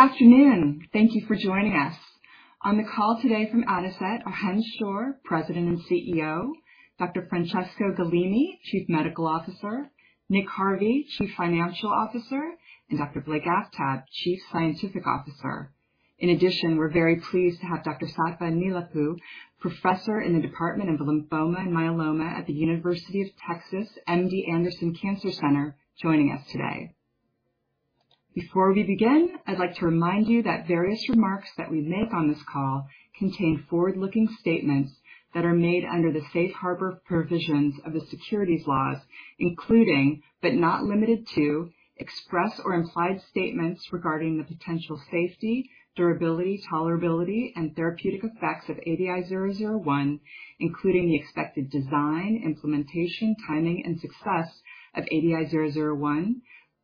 Good afternoon. Thank you for joining us. On the call today from Adicet are Chen Schor, President and CEO, Dr. Francesco Galimi, Chief Medical Officer, Nick Harvey, Chief Financial Officer, and Dr. Blake Aftab, Chief Scientific Officer. In addition, we're very pleased to have Dr. Sattva Neelapu, Professor in the Department of Lymphoma and Myeloma at The University of Texas MD Anderson Cancer Center, joining us today. Before we begin, I'd like to remind you that various remarks that we make on this call contain forward-looking statements that are made under the safe harbor provisions of the securities laws, including, but not limited to, express or implied statements regarding the potential safety, durability, tolerability, and therapeutic effects of ADI-001, including the expected design, implementation, timing, and success of ADI-001,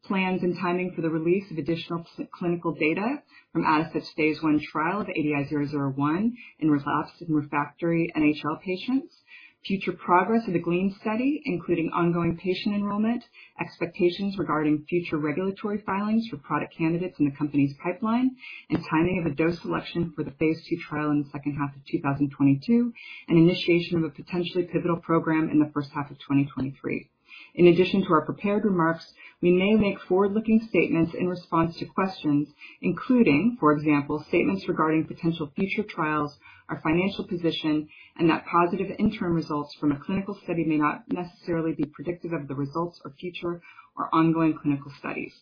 plans and timing for the release of additional clinical data from Adicet Bio's phase I trial of ADI-001 in relapsed and refractory NHL patients. Future progress of the GLEAN study, including ongoing patient enrolment, expectations regarding future regulatory filings for product candidates in the company's pipeline, and timing of a dose selection for the phase II trial in the H2 of 2022, and initiation of a potentially pivotal program in the H1 of 2023. In addition to our prepared remarks, we may make forward-looking statements in response to questions including, for example, statements regarding potential future trials, our financial position, and that positive interim results from a clinical study may not necessarily be predictive of the results of future or ongoing clinical studies.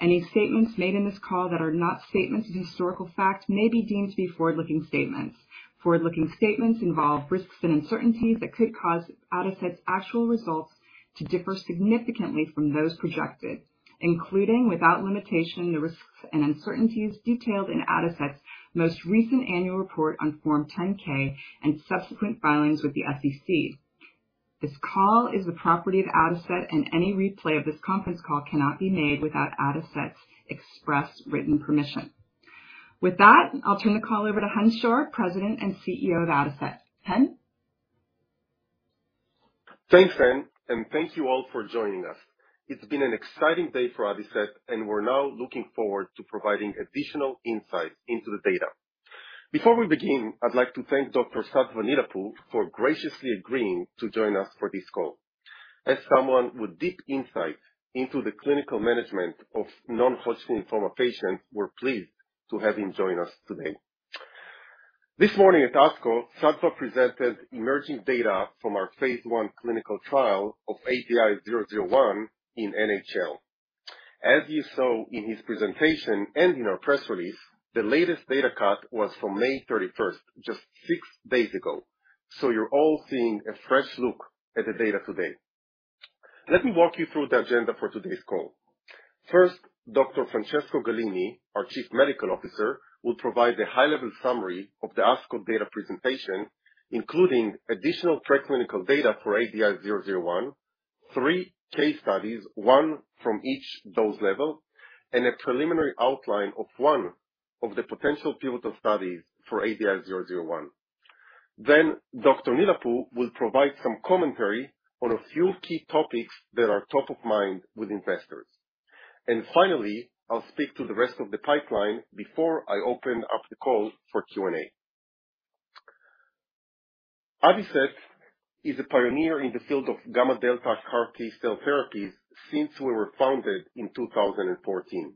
Any statements made in this call that are not statements of historical fact may be deemed to be forward-looking statements. Forward-looking statements involve risks and uncertainties that could cause Adicet actual results to differ significantly from those projected, including, without limitation, the risks and uncertainties detailed in Adicet's most recent annual report on Form 10-K and subsequent filings with the SEC. This call is the property of Adicet and any replay of this conference call cannot be made without Adicet express written permission. With that, I'll turn the call over to Chen Schor, President and CEO of Adicet. Chen? Thanks, Jen, and thank you all for joining us. It's been an exciting day for Adicet, and we're now looking forward to providing additional insight into the data. Before we begin, I'd like to thank Dr. Sattva Neelapu for graciously agreeing to join us for this call. As someone with deep insight into the clinical management of Non-Hodgkin lymphoma patients, we're pleased to have him join us today. This morning at ASCO, Sattva presented emerging data from our phase I clinical trial of ADI-001 in NHL. As you saw in his presentation and in our press release, the latest data cut was from May 31st, just six days ago. You're all seeing a fresh look at the data today. Let me walk you through the agenda for today's call. First,- Dr. Francesco Galimi, our Chief Medical Officer, will provide a high-level summary of the ASCO data presentation, including additional preclinical data for ADI-001, three case studies, one from each Dose Level, and a preliminary outline of one of the potential pivotal studies for ADI-001. Then Dr. Neelapu will provide some commentary on a few key topics that are top of mind with investors. Finally, I'll speak to the rest of the pipeline before I open up the call for Q&A. Adicet is a pioneer in the field of gamma delta CAR T cell therapies since we were founded in 2014.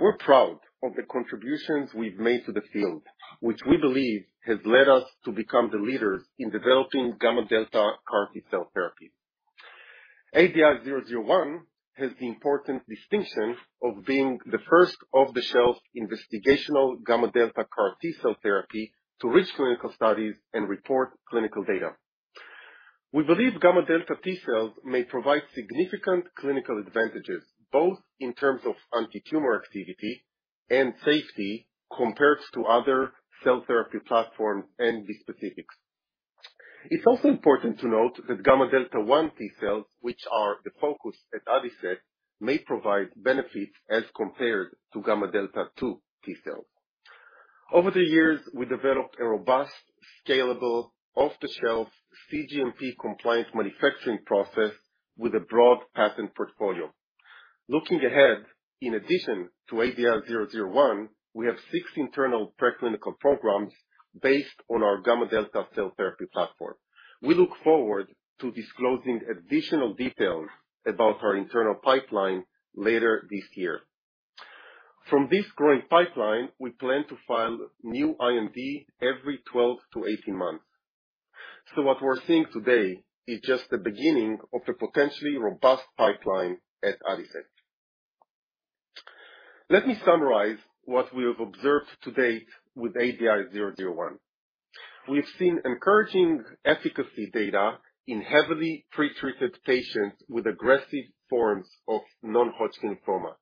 We're proud of the contributions we've made to the field, which we believe has led us to become the leaders in developing gamma delta CAR T cell therapy. ADI-001 has the important distinction of being the first off-the-shelf investigational gamma delta CAR T cell therapy to reach clinical studies and report clinical data. We believe gamma delta T cells may provide significant clinical advantages, both in terms of antitumor activity and safety, compared to other cell therapy platforms and bispecific. It's also important to note that gamma delta one T cells, which are the focus at Adicet, may provide benefits as compared to gamma delta two T cells. Over the years, we developed a robust, scalable, off-the-shelf cGMP compliant manufacturing process with a broad patent portfolio. Looking ahead, in addition to ADI-001, we have six internal preclinical programs based on our gamma delta cell therapy platform. We look forward to disclosing additional details about our internal pipeline later this year. From this growing pipeline, we plan to file new IND every 12 to 18 months. What we're seeing today is just the beginning of the potentially robust pipeline at Adicet. Let me summarize what we have observed to date with ADI-001. We've seen encouraging efficacy data in heavily pre-treated patients with aggressive forms of Non-Hodgkin Lymphoma,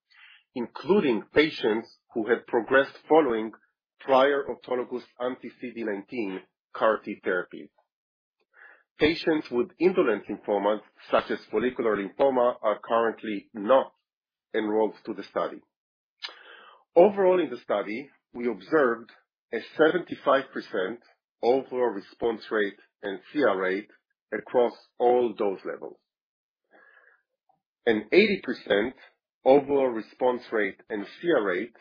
including patients who have progressed following prior autologous anti-CD19 CAR T therapy. Patients with indolent lymphoma such as Follicular Lymphoma are currently not enrolled to the study. Overall, in the study, we observed a 75% overall response rate and CR rate across all Dose Levels. 80% overall response rate and CR rate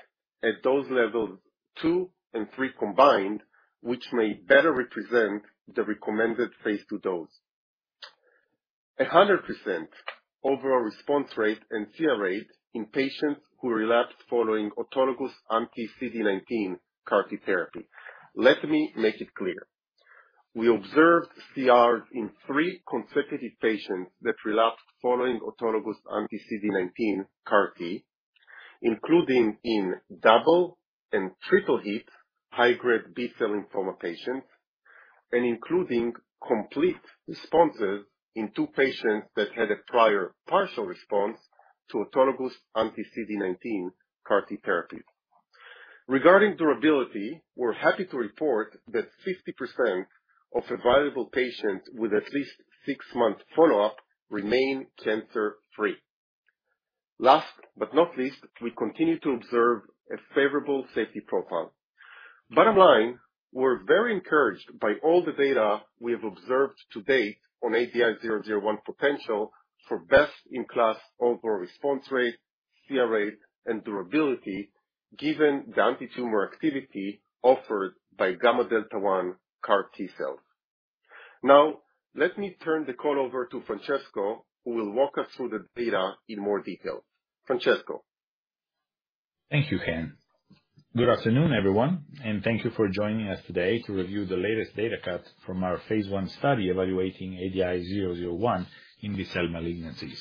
at Dose Level 2 and 3 combined, which may better represent the recommended phase II dose. 100% overall response rate and CR rate in patients who relapsed following autologous anti-CD19 CAR T therapy. Let me make it clear. We observed CRs in three consecutive patients that relapsed following autologous anti-CD19 CAR T, including in double and triple hit high-grade B-cell lymphoma patients, and including complete responses in two patients that had a prior partial response to autologous anti-CD19 CAR T therapy. Regarding durability, we're happy to report that 50% of evaluable patients with at least six month follow-up remain cancer-free. Last but not least, we continue to observe a favorable safety profile. Bottom line, we're very encouraged by all the data we have observed to date on ADI-001 potential for best-in-class overall response rate, CR rate, and durability given the antitumor activity offered by gamma delta 1 CAR T cells. Now, let me turn the call over to Francesco, who will walk us through the data in more detail. Francesco. Thank you, Chen. Good afternoon, everyone, and thank you for joining us today to review the latest data cut from our phase I study evaluating ADI-001 in B-cell malignancies.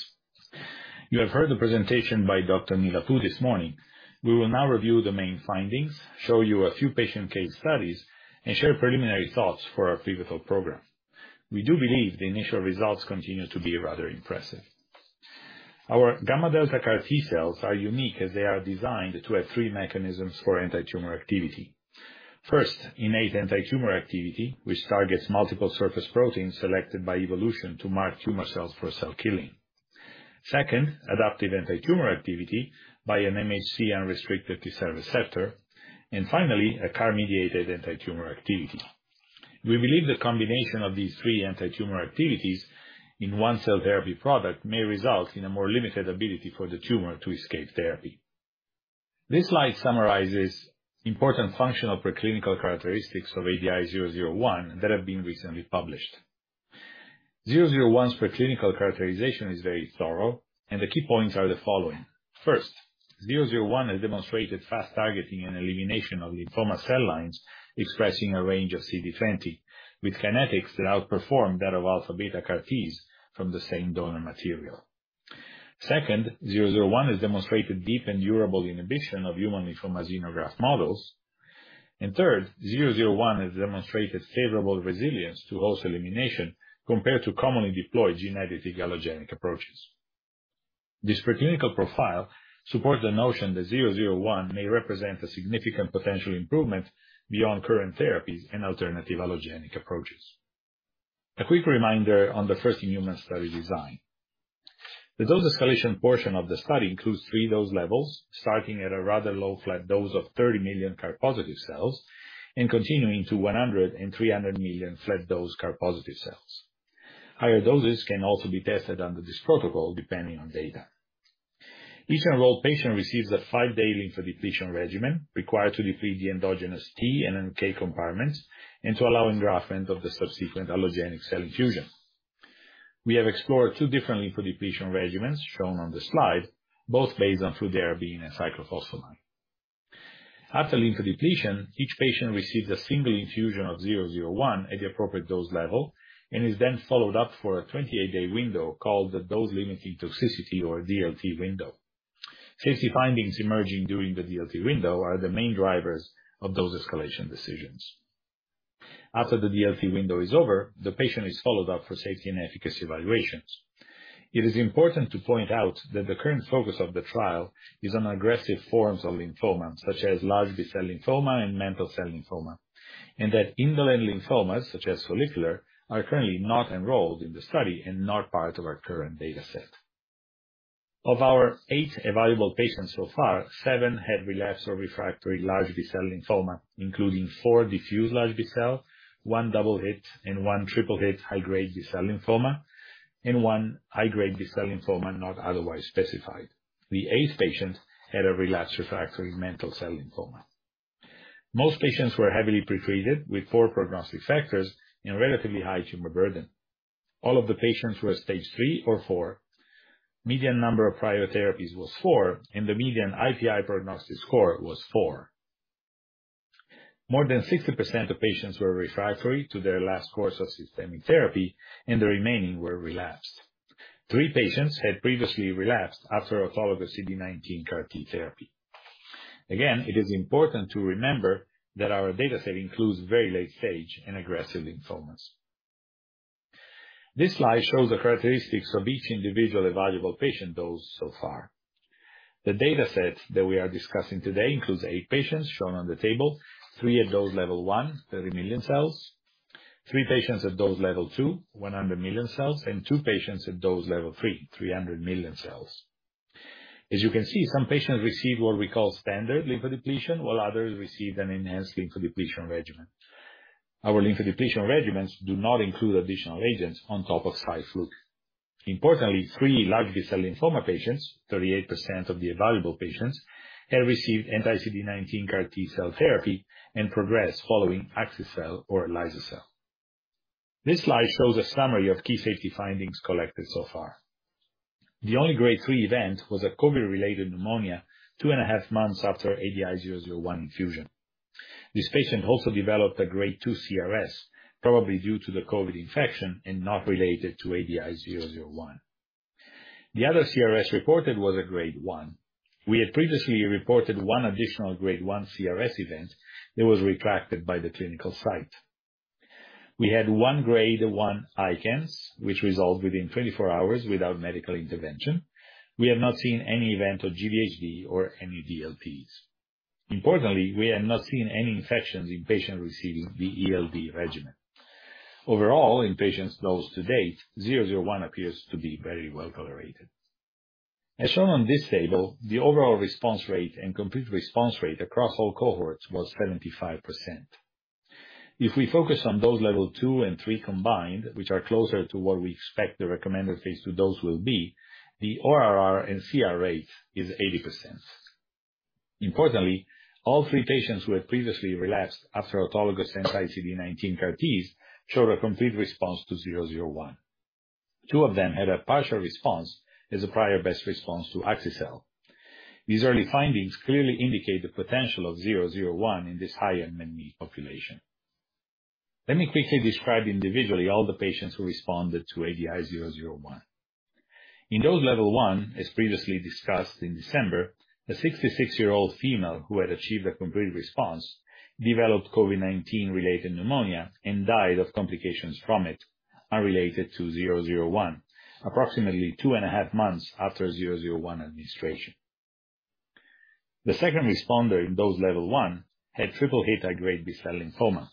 You have heard the presentation by Dr. Neelapu this morning. We will now review the main findings, show you a few patient case studies, and share preliminary thoughts for our pivotal program. We do believe the initial results continue to be rather impressive. Our gamma delta CAR T cells are unique as they are designed to have three mechanisms for antitumor activity. First, innate antitumor activity, which targets multiple surface proteins selected by evolution to mark tumor cells for cell killing. Second, adaptive antitumor activity by an MHC unrestricted T-cell receptor. And finally, a CAR-mediated antitumor activity. We believe the combination of these three antitumor activities in one cell therapy product may result in a more limited ability for the tumor to escape therapy. This slide summarizes important functional preclinical characteristics of ADI-001 that have been recently published. ADI-001's preclinical characterization is very thorough, and the key points are the following. First, ADI-001 has demonstrated fast targeting and elimination of lymphoma cell lines expressing a range of CD20, with kinetics that outperform that of alpha beta CAR T cells from the same donor material. Second, ADI-001 has demonstrated deep and durable inhibition of human lymphoma xenograft models. Third, ADI-001 has demonstrated favorable resilience to host elimination compared to commonly deployed genetic allogeneic approaches. This preclinical profile supports the notion that ADI-001 may represent a significant potential improvement beyond current therapies and alternative allogeneic approaches. A quick reminder on the first-in-human study design. The dose escalation portion of the study includes three Dose Levels, starting at a rather low flat dose of 30 million CAR-positive cells and continuing to 100 and 300 million flat dose CAR-positive cells. Higher doses can also be tested under this protocol, depending on data. Each enrolled patient receives a five day lymphodepletion regimen required to deplete the endogenous T and NK compartments and to allow engraftment of the subsequent allogeneic cell infusion. We have explored two different lymphodepletion regimens shown on the slide, both based on fludarabine and cyclophosphamide. After lymphodepletion, each patient receives a single infusion of ADI-001 at the appropriate Dose Level and is then followed up for a 28-day window called the Dose Limiting Toxicity or DLT window. Safety findings emerging during the DLT window are the main drivers of dose escalation decisions. After the DLT window is over, the patient is followed up for safety and efficacy evaluations. It is important to point out that the current focus of the trial is on aggressive forms of lymphomas, such as Large B-Cell Lymphoma and Mantle Cell Lymphoma, and that indolent lymphomas, such as Follicular, are currently not enrolled in the study and not part of our current data set. Of our eight evaluable patients so far, seven had relapsed or refractory Large B-Cell Lymphoma, including four diffuse Large B-cell, one Double hit, and one Triple hit high-grade B-cell lymphoma, and one high-grade B-cell lymphoma not otherwise specified. The eighth patient had a relapsed/refractory Mantle Cell Lymphoma. Most patients were heavily pre-treated with poor prognostic factors and relatively high tumor burden. All of the patients were stage 3 or 4. Median number of prior therapies was four, and the median IPI prognostic score was four. More than 60% of patients were refractory to their last course of systemic therapy, and the remaining were relapsed. Three patients had previously relapsed after autologous CD19 CAR T therapy. Again, it is important to remember that our data set includes very late-stage and aggressive lymphomas. This slide shows the characteristics of each individual evaluable patient dose so far. The data set that we are discussing today includes eight patients shown on the table, three at Dose Level 1, 30 million cells, three patients at Dose Level 2, 100 million cells, and two patients at Dose Level 3, 300 million cells. As you can see, some patients receive what we call standard lymphodepletion, while others receive an enhanced lymphodepletion regimen. Our lymphodepletion regimens do not include additional agents on top of Cy/Flu. Importantly, three Large B-Cell lymphoma patients, 38% of the evaluable patients, have received anti-CD19 CAR T-cell therapy and progressed following Axi-cel or liso-cel. This slide shows a summary of key safety findings collected so far. The only Grade 3 event was a COVID-related pneumonia two and half months after ADI-001 infusion. This patient also developed a Grade 2 CRS, probably due to the COVID infection and not related to ADI-001. The other CRS reported was a Grade 1. We had previously reported one additional Grade 1 CRS event that was retracted by the clinical site. We had one Grade 1 ICANS, which resolved within 24 hours without medical intervention. We have not seen any event of GvHD or any DLTs. Importantly, we have not seen any infections in patients receiving the ELD regimen. Overall, in patients dosed to date, 001 appears to be very well tolerated. As shown on this table, the overall response rate and complete response rate across all cohorts was 75%. If we focus on Dose Level 2 and 3 combined, which are closer to what we expect the recommended phase II dose will be, the ORR and CR rate is 80%. Importantly, all three patients who had previously relapsed after autologous anti-CD19 CAR Ts showed a complete response to 001. Two of them had a partial response as a prior best response to axi-cel. These early findings clearly indicate the potential of 001 in this high unmet need population. Let me quickly describe individually all the patients who responded to ADI-001. In Dose Level 1, as previously discussed in December, a 66-year-old female who had achieved a complete response developed COVID-19 related pneumonia and died of complications from it, unrelated to ADI-001, approximately two and a half months after ADI-001 administration. The second responder in Dose Level 1 had Triple hit high-grade B-cell lymphoma.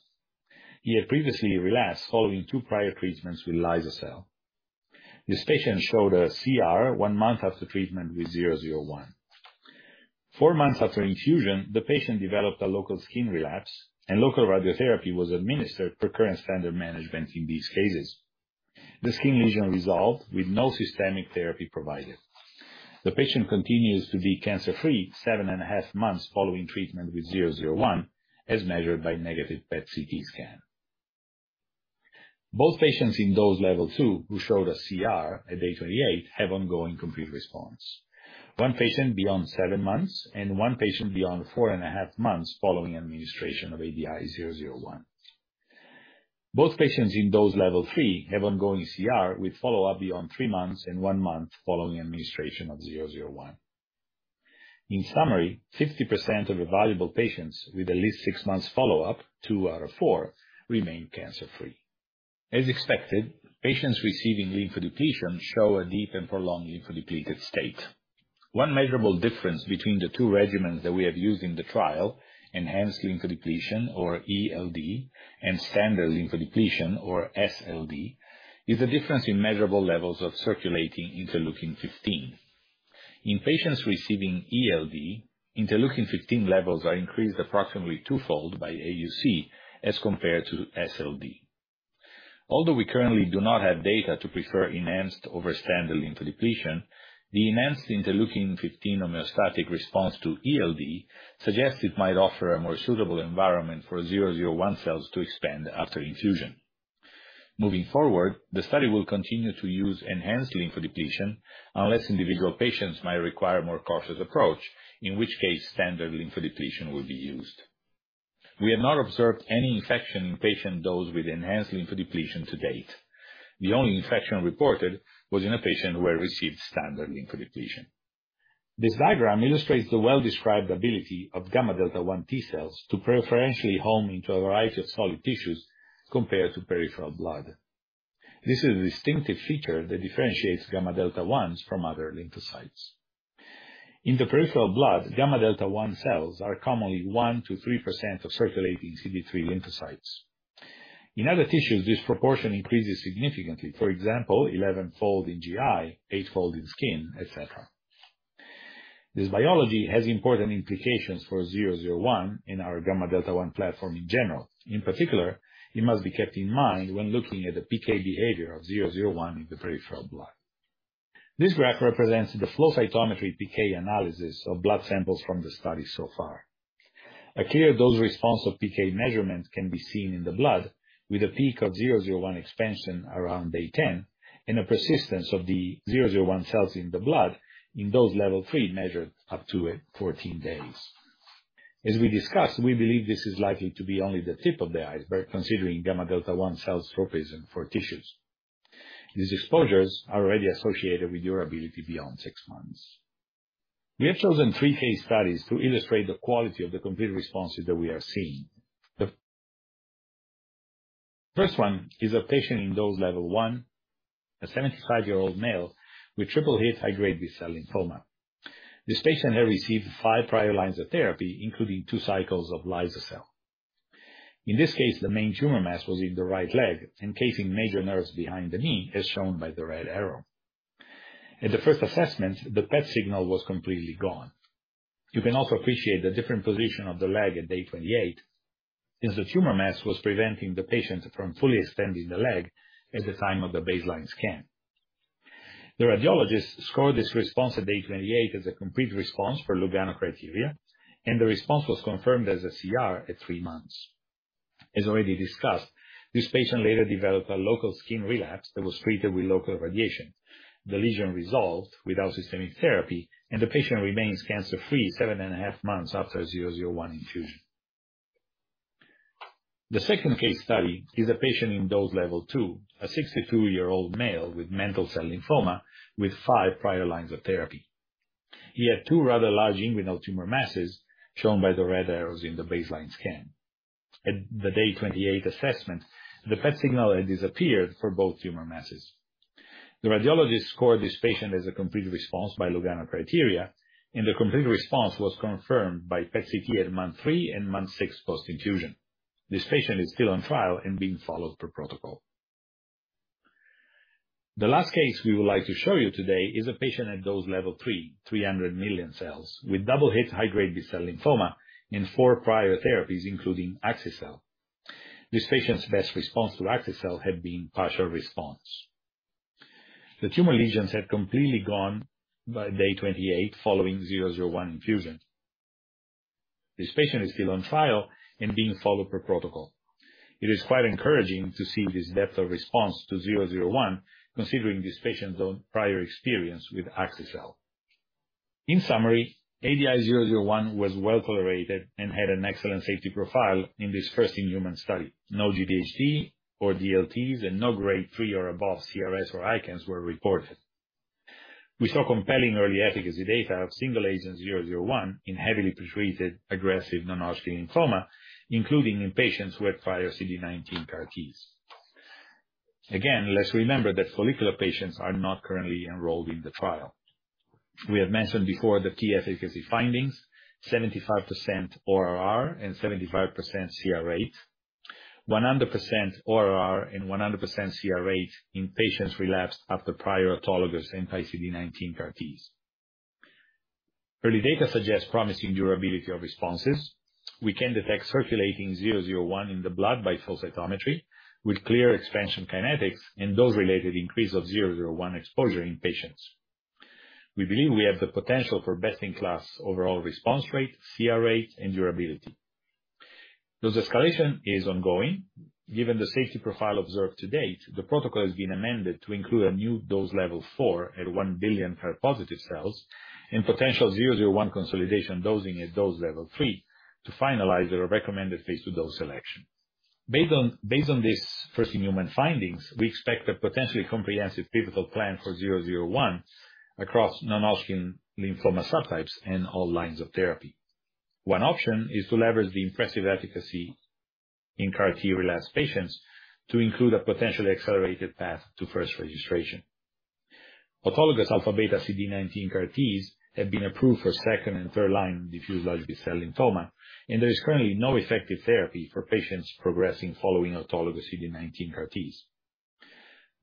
He had previously relapsed following two prior treatments with liso-cel. This patient showed a CR one month after treatment with ADI-001. Four months after infusion, the patient developed a local skin relapse, and local radiotherapy was administered per current standard management in these cases. The skin lesion resolved with no systemic therapy provided. The patient continues to be cancer-free seven and a half months following treatment with ADI-001, as measured by negative PET CT scan. Both patients in Dose Level 2 who showed a CR at day 28 have ongoing complete response. One patient beyond seven months and one patient beyond four and half months following administration of ADI-001. Both patients in Dose Level 3 have ongoing CR with follow-up beyond three months and one month following administration of ADI-001. In summary, 60% of evaluable patients with at least six months follow-up, two out of four, remain cancer-free. As expected, patients receiving lymphodepletion show a deep and prolonged lymphodepleted state. One measurable difference between the two regimens that we have used in the trial, enhanced lymphodepletion or ELD and standard lymphodepletion or SLD, is the difference in measurable levels of circulating interleukin-15. In patients receiving ELD, interleukin-15 levels are increased approximately twofold by AUC as compared to SLD. Although we currently do not have data to prefer enhanced over standard lymphodepletion, the enhanced Interleukin-15 homeostatic response to ELD suggests it might offer a more suitable environment for ADI-001 cells to expand after infusion. Moving forward, the study will continue to use enhanced lymphodepletion, unless individual patients might require a more cautious approach, in which case standard lymphodepletion will be used. We have not observed any infection in patients dosed with enhanced lymphodepletion to date. The only infection reported was in a patient who had received standard lymphodepletion. This diagram illustrates the well-described ability of gamma delta 1 T-cells to preferentially home into a variety of solid tissues compared to peripheral blood. This is a distinctive feature that differentiates gamma delta 1s from other lymphocytes. In the peripheral blood, gamma delta 1 cells are commonly 1%-3% of circulating CD3 lymphocytes. In other tissues, this proportion increases significantly. For example, 11-fold in GI, 8-fold in skin, et cetera. This biology has important implications for ADI-001 in our gamma delta 1 platform in general. In particular, it must be kept in mind when looking at the PK behavior of ADI-001 in the peripheral blood. This graph represents the flow cytometry PK analysis of blood samples from the study so far. A clear dose response of PK measurements can be seen in the blood, with a peak of ADI-001 expansion around day 10 and a persistence of the ADI-001 cells in the blood in Dose Level 3 measured up to 14 days. As we discussed, we believe this is likely to be only the tip of the iceberg, considering gamma delta 1 cell's tropism for tissues. These exposures are already associated with durability beyond six months. We have chosen three case studies to illustrate the quality of the complete responses that we are seeing. The first one is a patient in Dose Level 1, a 75-year-old male with Triple hit high-grade B-cell Lymphoma. This patient had received five prior lines of therapy, including two cycles of liso-cel. In this case, the main tumor mass was in the right leg, encasing major nerves behind the knee, as shown by the red arrow. In the first assessment, the PET signal was completely gone. You can also appreciate the different position of the leg at day 28, as the tumor mass was preventing the patient from fully extending the leg at the time of the baseline scan. The radiologist scored this response at day 28 as a complete response for Lugano criteria, and the response was confirmed as a CR at three months. As already discussed, this patient later developed a local skin relapse that was treated with local radiation. The lesion resolved without systemic therapy, and the patient remains cancer-free seven and half months after ADI-001 infusion. The second case study is a patient in Dose Level 2, a 62-year-old male with Mantle cell Lymphoma with five prior lines of therapy. He had two rather large inguinal tumor masses, shown by the red arrows in the baseline scan. At the day 28 assessment, the PET signal had disappeared for both tumor masses. The radiologist scored this patient as a complete response by Lugano criteria, and the complete response was confirmed by PET CT at month three and month six post-infusion. This patient is still on trial and being followed per protocol. The last case we would like to show you today is a patient at Dose Level 3, 300 million cells, with Double-hit high-grade B-cell Lymphoma in four prior therapies, including axi-cel. This patient's best response to axi-cel had been partial response. The tumor lesions had completely gone by day 28 following ADI-001 infusion. This patient is still on trial and being followed per protocol. It is quite encouraging to see this depth of response to ADI-001, considering this patient's own prior experience with axi-cel. In summary, ADI-001 was well-tolerated and had an excellent safety profile in this first human study. No GvHDs or DLTs and no grade three or above CRS or ICANS were reported. We saw compelling early efficacy data of single agent ADI-001 in heavily pre-treated aggressive Non-Hodgkin Lymphoma, including in patients who had prior CD19 CAR Ts. Again, let's remember that follicular patients are not currently enrolled in the trial. We have mentioned before the key efficacy findings, 75% ORR and 75% CR rate. 100% ORR and 100% CR rate in patients relapsed after prior autologous anti-CD19 CAR Ts. Early data suggests promising durability of responses. We can detect circulating ADI-001 in the blood by flow cytometry with clear expansion kinetics and dose-related increase of ADI-001 exposure in patients. We believe we have the potential for best-in-class overall response rate, CR rate, and durability. Dose escalation is ongoing. Given the safety profile observed to date, the protocol has been amended to include a new Dose Level 4 at 1 billion Vδ1-positive cells and potential ADI-001 consolidation dosing at Dose Level 3 to finalize the recommended phase II dose selection. Based on this first-in-human findings, we expect a potentially comprehensive pivotal plan for ADI-001 across Non-Hodgkin Lymphoma subtypes and all lines of therapy. One option is to leverage the impressive efficacy in CAR T-relapsed patients to include a potentially accelerated path to first registration. Autologous alpha beta CD19 CAR Ts have been approved for second- and third-line diffuse large B-Cell lymphoma, and there is currently no effective therapy for patients progressing following autologous CD19 CAR Ts.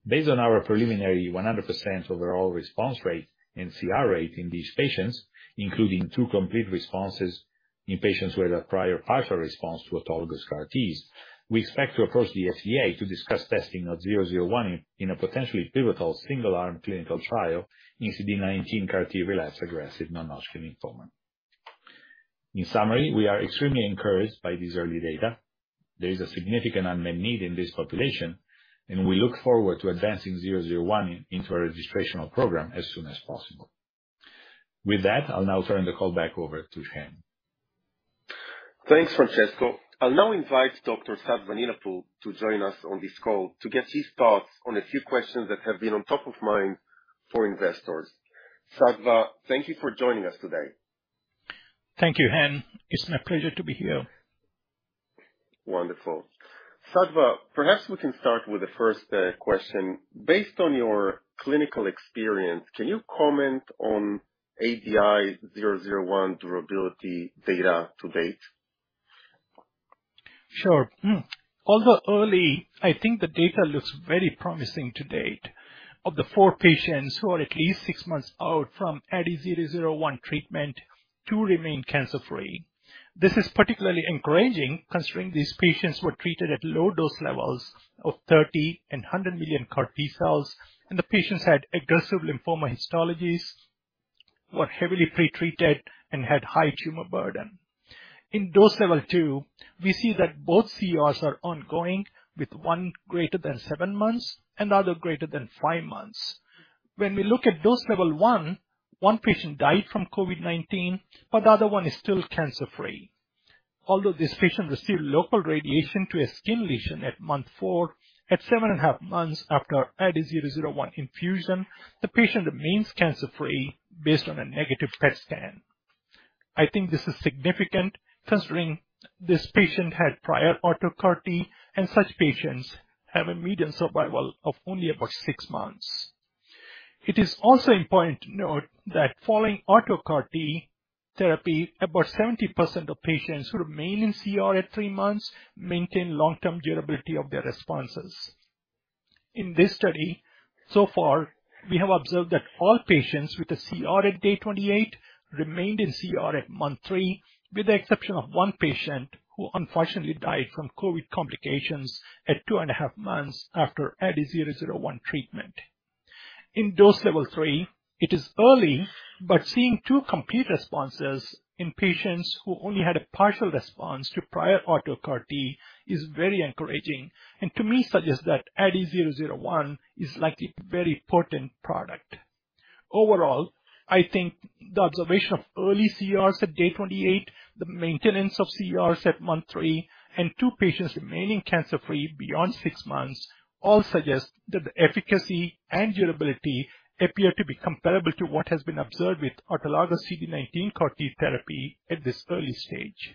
Based on our preliminary 100% overall response rate and CR rate in these patients, including two complete responses in patients who had a prior partial response to autologous CAR Ts, we expect to approach the FDA to discuss testing of 001 in a potentially pivotal single-arm clinical trial in CD19 CAR T relapsed aggressive Non-Hodgkin Lymphoma. In summary, we are extremely encouraged by this early data. There is a significant unmet need in this population, and we look forward to advancing 001 into a registrational program as soon as possible. With that, I'll now turn the call back over to Chen. Thanks, Francesco. I'll now invite Dr. Sattva Neelapu to join us on this call to get his thoughts on a few questions that have been on top of mind for investors. Sattva, thank you for joining us today. Thank you, Chen. It's my pleasure to be here. Wonderful. Sattva, perhaps we can start with the first question. Based on your clinical experience, can you comment on ADI-001 durability data to date? Sure. Although early, I think the data looks very promising to date. Of the four patients who are at least six months out from ADI-001 treatment, two remain cancer-free. This is particularly encouraging considering these patients were treated at low dose levels of 30 and 100 million CAR T cells, and the patients had aggressive lymphoma histologies, were heavily pre-treated, and had high tumor burden. In Dose Level 2, we see that both CRs are ongoing with one greater than seven months and the other greater than five months. When we look at Dose Level 1, one patient died from COVID-19, but the other one is still cancer-free. Although this patient received local radiation to a skin lesion at month four, at seven and a half months after ADI-001 infusion, the patient remains cancer-free based on a negative PET scan. I think this is significant considering this patient had prior auto CAR T, and such patients have a median survival of only about six months. It is also important to note that following auto CAR T therapy, about 70% of patients who remain in CR at three months maintain long-term durability of their responses. In this study, so far, we have observed that all patients with a CR at day 28 remained in CR at month three, with the exception of one patient who unfortunately died from COVID complications at two and half months after ADI-001 treatment. In Dose Level 3, it is early, but seeing two complete responses in patients who only had a partial response to prior auto CAR T is very encouraging, and to me suggests that ADI-001 is likely a very potent product. Overall, I think the observation of early CRs at day 28, the maintenance of CRs at month three, and two patients remaining cancer-free beyond six months all suggest that the efficacy and durability appear to be comparable to what has been observed with autologous CD19 CAR T therapy at this early stage.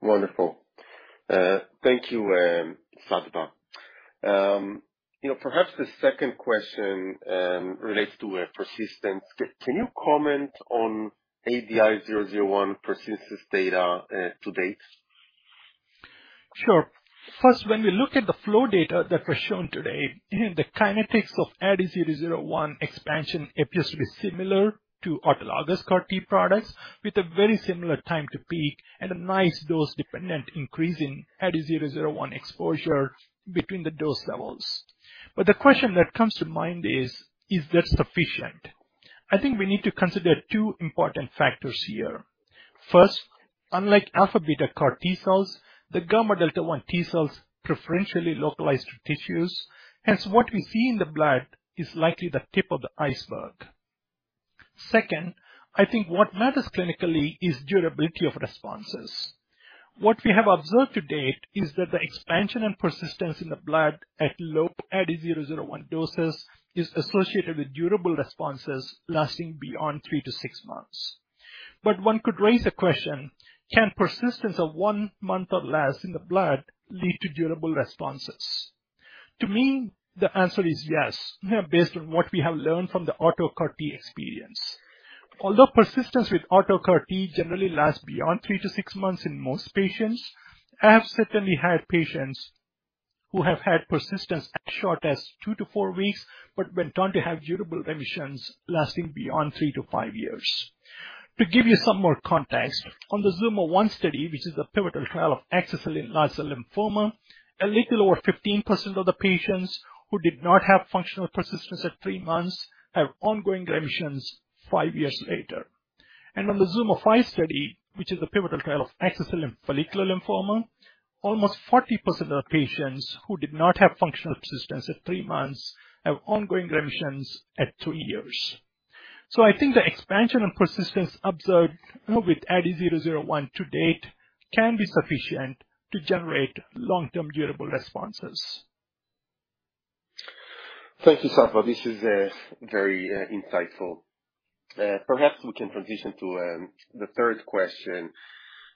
Wonderful. Thank you, Sattva Neelapu. You know, perhaps the second question relates to persistence. Can you comment on ADI-001 persistence data to date? Sure. First, when we look at the flow data that was shown today, the kinetics of ADI-001 expansion appears to be similar to autologous CAR T products with a very similar time to peak and a nice dose-dependent increase in ADI-001 exposure between the dose levels. The question that comes to mind is that sufficient? I think we need to consider two important factors here. First, unlike alpha/beta CAR T cells, the gamma delta T cells preferentially localize to tissues, hence what we see in the blood is likely the tip of the iceberg. Second, I think what matters clinically is durability of responses. What we have observed to date is that the expansion and persistence in the blood at low ADI-001 doses is associated with durable responses lasting beyond three to six months. One could raise a question, can persistence of one month or less in the blood lead to durable responses? To me, the answer is yes, based on what we have learned from the auto CAR T experience. Although persistence with auto CAR T generally lasts beyond three to six months in most patients, I have certainly had patients who have had persistence as short as two to four weeks, but went on to have durable remissions lasting beyond three to five years. To give you some more context, on the ZUMA-1 study, which is a pivotal trial of axi-cel in Large B-Cell Lymphoma, a little over 15% of the patients who did not have functional persistence at three months have ongoing remissions five years later. On the ZUMA-5 study, which is a pivotal trial of axi-cel Follicular Lymphoma, almost 40% of patients who did not have functional persistence at three months have ongoing remissions at two years. I think the expansion and persistence observed with ADI-001 to date can be sufficient to generate long-term durable responses. Thank you, Sattva Neelapu. This is very insightful. Perhaps we can transition to the third question.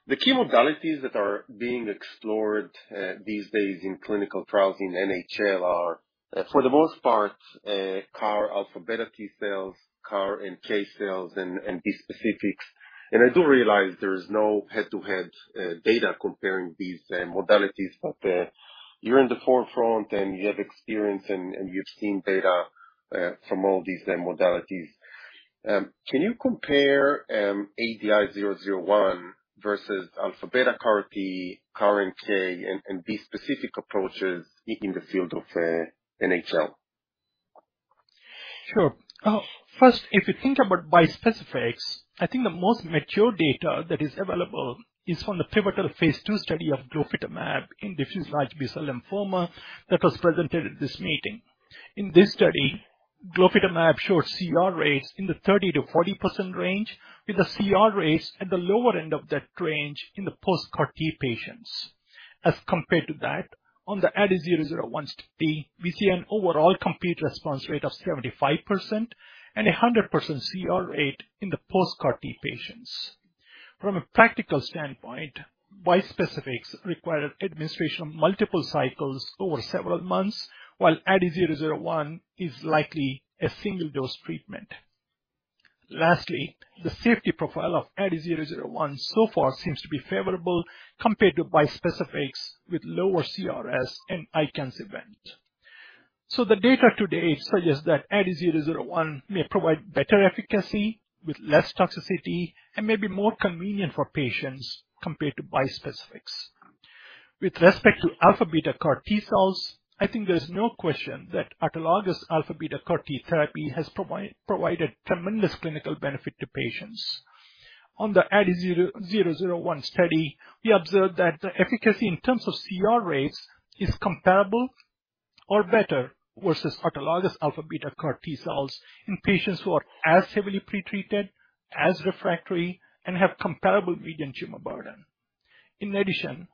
The key modalities that are being explored these days in clinical trials in NHL are, for the most part, CAR alpha/beta T-cells, CAR NK cells, and bispecific. I do realize there's no head-to-head data comparing these modalities. You're in the forefront, and you have experience and you've seen data from all these modalities. Can you compare ADI-001 versus alpha/beta CAR T, CAR NK, and bispecific approaches in the field of NHL? Sure. First, if you think about bispecifics, I think the most mature data that is available is from the pivotal phase II study of glofitamab in Diffuse Large B-Cell Lymphoma that was presented at this meeting. In this study, glofitamab showed CR rates in the 30%-40% range, with the CR rates at the lower end of that range in the post-CAR T patients. As compared to that, on the ADI-001 study, we see an overall complete response rate of 75% and a 100% CR rate in the post-CAR T patients. From a practical standpoint, bispecifics require administration of multiple cycles over several months, while ADI-001 is likely a single-dose treatment. Lastly, the safety profile of ADI-001 so far seems to be favorable compared to bispecifics with lower CRS and ICANS event. The data to date suggests that ADI-001 may provide better efficacy with less toxicity and may be more convenient for patients compared to bispecifics. With respect to alpha beta CAR T-cells, I think there's no question that autologous alpha beta CAR T therapy has provided tremendous clinical benefit to patients. On the ADI-001 study, we observed that the efficacy in terms of CR rates is comparable or better versus autologous alpha beta CAR T-cells in patients who are as heavily pre-treated, as refractory, and have comparable median tumor burden. In addition,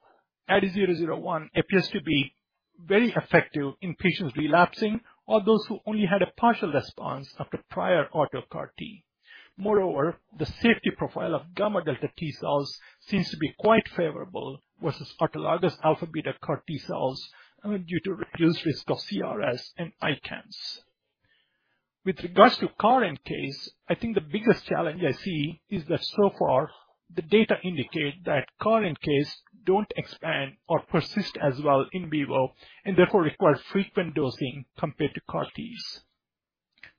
ADI-001 appears to be very effective in patients relapsing or those who only had a partial response after prior auto CAR T. Moreover, the safety profile of gamma delta T cells seems to be quite favorable versus autologous alpha beta CAR T cells due to reduced risk of CRS and ICANS. With regards to CAR NK cells, I think the biggest challenge I see is that so far the data indicate that CAR NK cells don't expand or persist as well in vivo and therefore require frequent dosing compared to CAR Ts.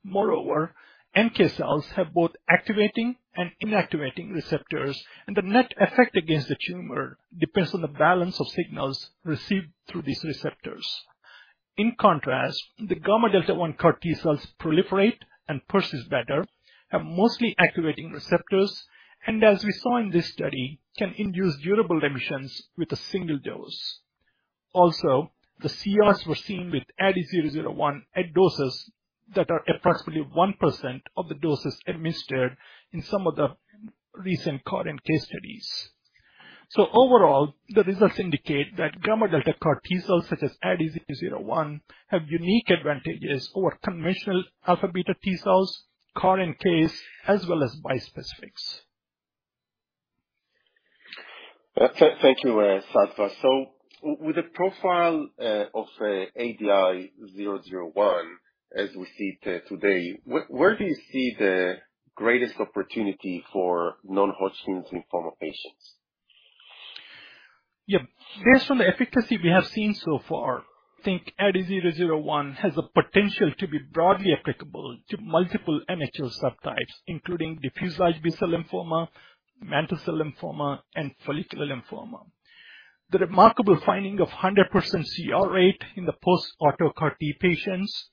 Moreover, NK cells have both activating and inactivating receptors, and the net effect against the tumor depends on the balance of signals received through these receptors. In contrast, the ADI-001 CAR T cells proliferate and persist better, have mostly activating receptors, and as we saw in this study, can induce durable remissions with a single dose. Also, the CRs were seen with ADI-001 at doses that are approximately 1% of the doses administered in some of the recent CAR NK cells studies. Overall, the results indicate that gamma delta CAR T cells such as ADI-001 have unique advantages over conventional alpha beta T cells, CAR NKs, as well as bispecifics. Thank you, Sattva. With the profile of ADI-001 as we see it today, where do you see the greatest opportunity for Non-Hodgkin Lymphoma patients? Yeah, based on the efficacy we have seen so far, I think ADI-001 has the potential to be broadly applicable to multiple NHL subtypes, including Diffuse Large B-Cell Lymphoma, Mantle Cell Lymphoma, and Follicular Lymphoma. The remarkable finding of 100% CR rate in the post auto CAR T patients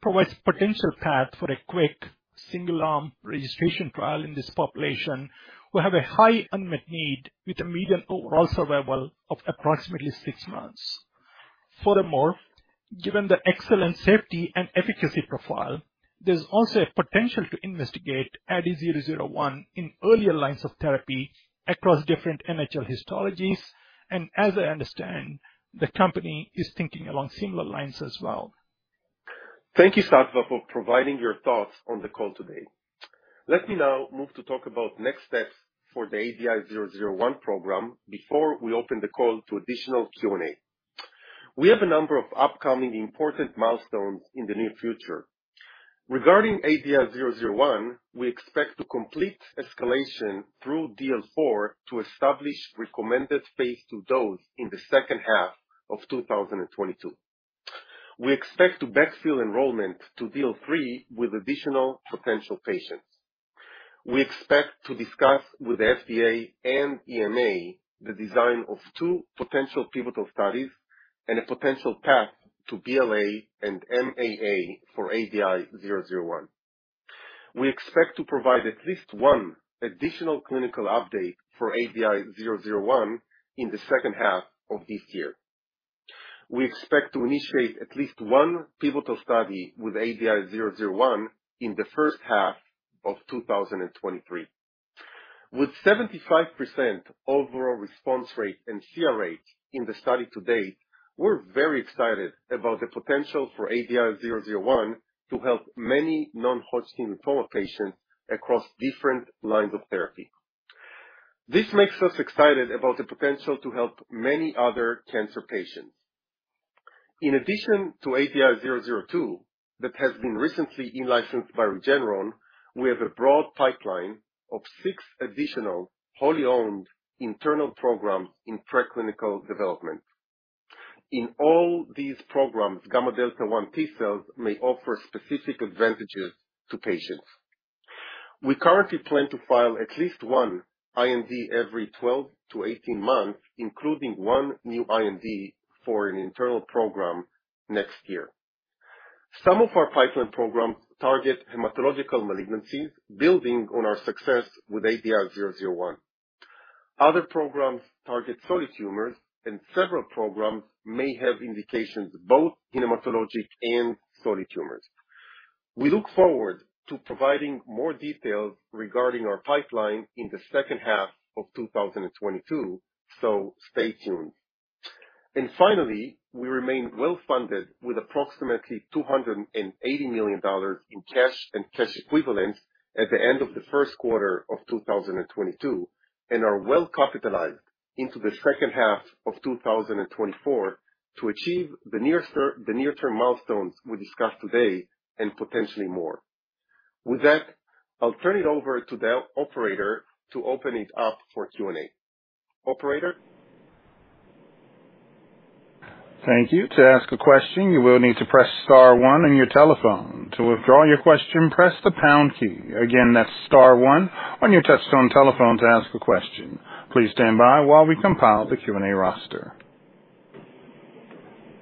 provides potential path for a quick single arm registration trial in this population who have a high unmet need with a median overall survival of approximately six months. Furthermore, given the excellent safety and efficacy profile, there's also a potential to investigate ADI-001 in earlier lines of therapy across different NHL histologies. As I understand, the company is thinking along similar lines as well. Thank you, Sattva, for providing your thoughts on the call today. Let me now move to talk about next steps for the ADI-001 program before we open the call to additional Q&A. We have a number of upcoming important milestones in the near future. Regarding ADI-001, we expect to complete escalation through DL 4 to establish recommended phase II dose in the H2 of 2022. We expect to backfill enrolment to DL 3 with additional potential patients. We expect to discuss with the FDA and EMA the design of two potential pivotal studies and a potential path to BLA and MAA for ADI-001. We expect to provide at least one additional clinical update for ADI-001 in the H2 of this year. We expect to initiate at least one pivotal study with ADI-001 in the H1 of 2023. With 75% overall response rate and CR rate in the study to date, we're very excited about the potential for ADI-001 to help many Non-Hodgkin Lymphoma patients across different lines of therapy. This makes us excited about the potential to help many other cancer patients. In addition to ADI-002, that has been recently in-licensed by Regeneron, we have a broad pipeline of six additional wholly owned internal programs in preclinical development. In all these programs, gamma delta one T-cells may offer specific advantages to patients. We currently plan to file at least one IND every 12 to 18 months, including one new IND for an internal program next year. Some of our pipeline programs target hematologic malignancies, building on our success with ADI-001. Other programs target solid tumors, and several programs may have indications both in hematologic and solid tumors. We look forward to providing more details regarding our pipeline in the H2 of 2022, so stay tuned. Finally, we remain well funded with approximately $280 million in cash and cash equivalents at the end of the H1 of 2022, and are well capitalized into the H2 of 2024 to achieve the near-term milestones we discussed today, and potentially more. With that, I'll turn it over to the operator to open it up for Q&A. Operator? Thank you. To ask a question, you will need to press star one on your telephone. To withdraw your question, press the pound key. Again, that's star one on your touchtone telephone to ask a question. Please stand by while we compile the Q&A roster.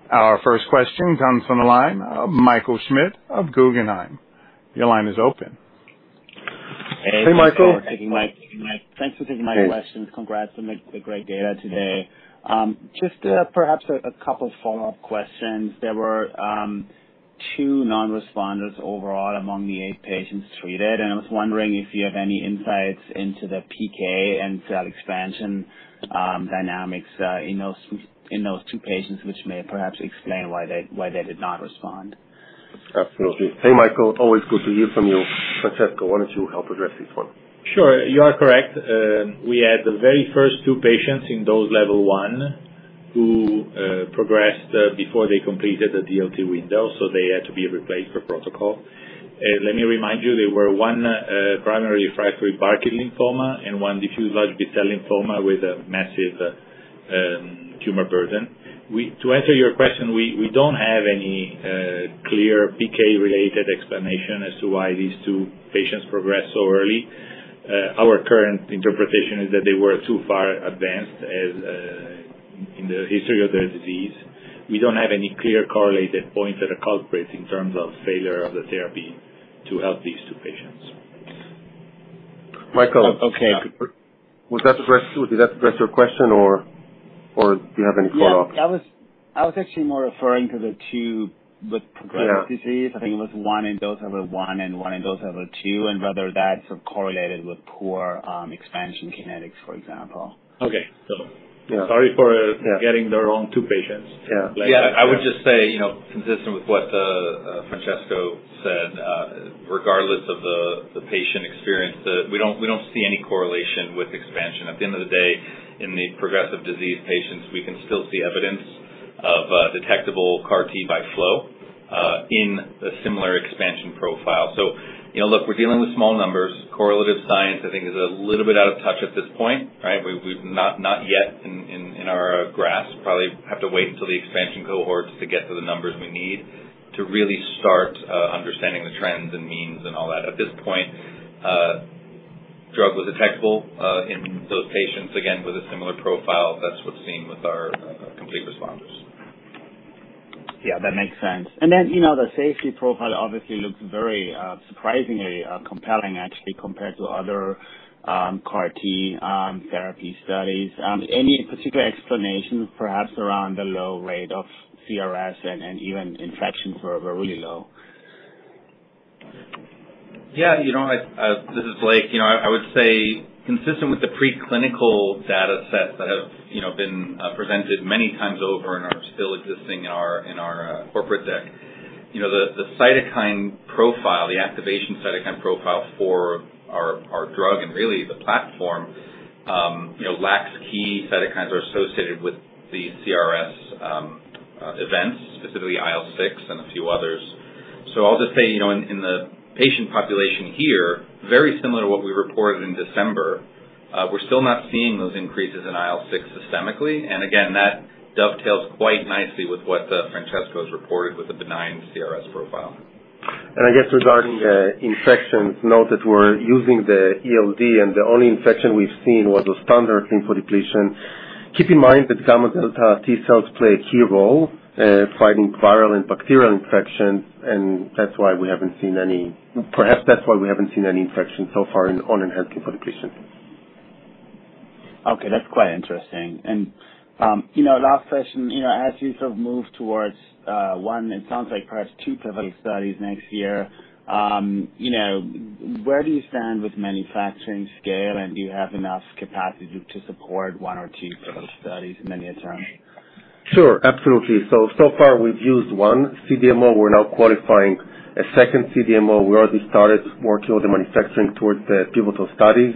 Our first question comes from the line of Michael Schmidt of Guggenheim. Your line is open. Hey, Michael. Hey. Thank you for taking my question. Congrats. Great to be here today. Just perhaps a couple follow-up questions. There were two non-responders overall among the eight patients treated, and I was wondering if you have any insights into the PK and cell expansion dynamics in those two patients, which may perhaps explain why they did not respond. Absolutely. Hey, Michael, always good to hear from you. Francesco, why don't you help address this one? Sure. You are correct. We had the very first two patients in Dose Level 1 who progressed before they completed the DLT window, so they had to be replaced per protocol. Let me remind you, they were one primary refractory Burkitt Lymphoma and one Diffuse Large B-Cell Lymphoma with a massive tumor burden. To answer your question, we don't have any clear PK-related explanation as to why these two patients progressed so early. Our current interpretation is that they were too far advanced in the history of their disease. We don't have any clear correlated points that are culprits in terms of failure of the therapy to help these two patients. Michael. Okay. Was that addressed? Did that address your question, or do you have any follow-ups? Yeah, I was actually more referring to the two with progressive. Yeah I think it was one in Dose Level 1 and one in Dose Level 2, and whether that's correlated with poor expansion kinetics, for example. Okay. Yeah. Sorry for- Yeah getting the wrong 2 patients. Yeah. Yeah. Yeah. I would just say, you know, consistent with what Francesco said, regardless of the patient experience, we don't see any correlation with expansion. At the end of the day, in the progressive disease patients, we can still see evidence of detectable CAR T by flow in a similar expansion profile. You know, look, we're dealing with small numbers. Correlative science, I think, is a little bit out of touch at this point, right? We've not yet in our grasp. Probably have to wait till the expansion cohorts to get to the numbers we need to really start understanding the trends and means and all that. At this point, drug was detectable in those patients, again, with a similar profile. That's what's seen with our complete responders. Yeah, that makes sense. You know, the safety profile obviously looks very, surprisingly, compelling, actually, compared to other CAR T therapy studies. Any particular explanation perhaps around the low rate of CRS and even infections were really low? Yeah. You know, This is Blake. You know, I would say consistent with the preclinical data sets that have, you know, been presented many times over and are still existing in our corporate deck. You know, the cytokine profile, the activation cytokine profile for our drug and really the platform, you know, lacks key cytokines are associated with the CRS events, specifically IL-6 and a few others. So I'll just say, you know, in the patient population here, very similar to what we reported in December, we're still not seeing those increases in IL-6 systemically. Again, that dovetails quite nicely with what Francesco has reported with the benign CRS profile. I guess regarding the infections, note that we're using the ELD and the only infection we've seen was a standard lymphodepletion. Keep in mind that gamma delta T cells play a key role fighting viral and bacterial infections. Perhaps that's why we haven't seen any infections so far in enhanced lymphodepletion. Okay. That's quite interesting. You know, last question, you know, as you sort of move towards one, it sounds like perhaps two pivotal studies next year, you know, where do you stand with manufacturing scale? Do you have enough capacity to support one or two pivotal studies in the near term? Sure. Absolutely. So far we've used one CDMO we're now qualifying. A second CDMO, we already started working on the manufacturing towards the pivotal studies.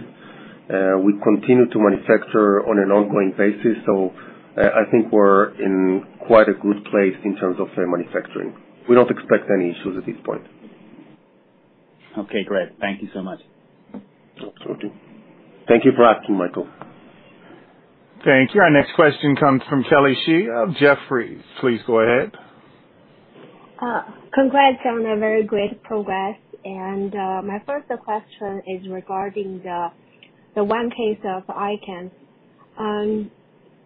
We continue to manufacture on an ongoing basis. I think we're in quite a good place in terms of manufacturing. We don't expect any issues at this point. Okay, great. Thank you so much. Thank you. Thank you for asking, Michael. Thank you. Our next question comes from Kelly Shi of Jefferies. Please go ahead. Congrats on a very great progress. My first question is regarding the one case of ICANS.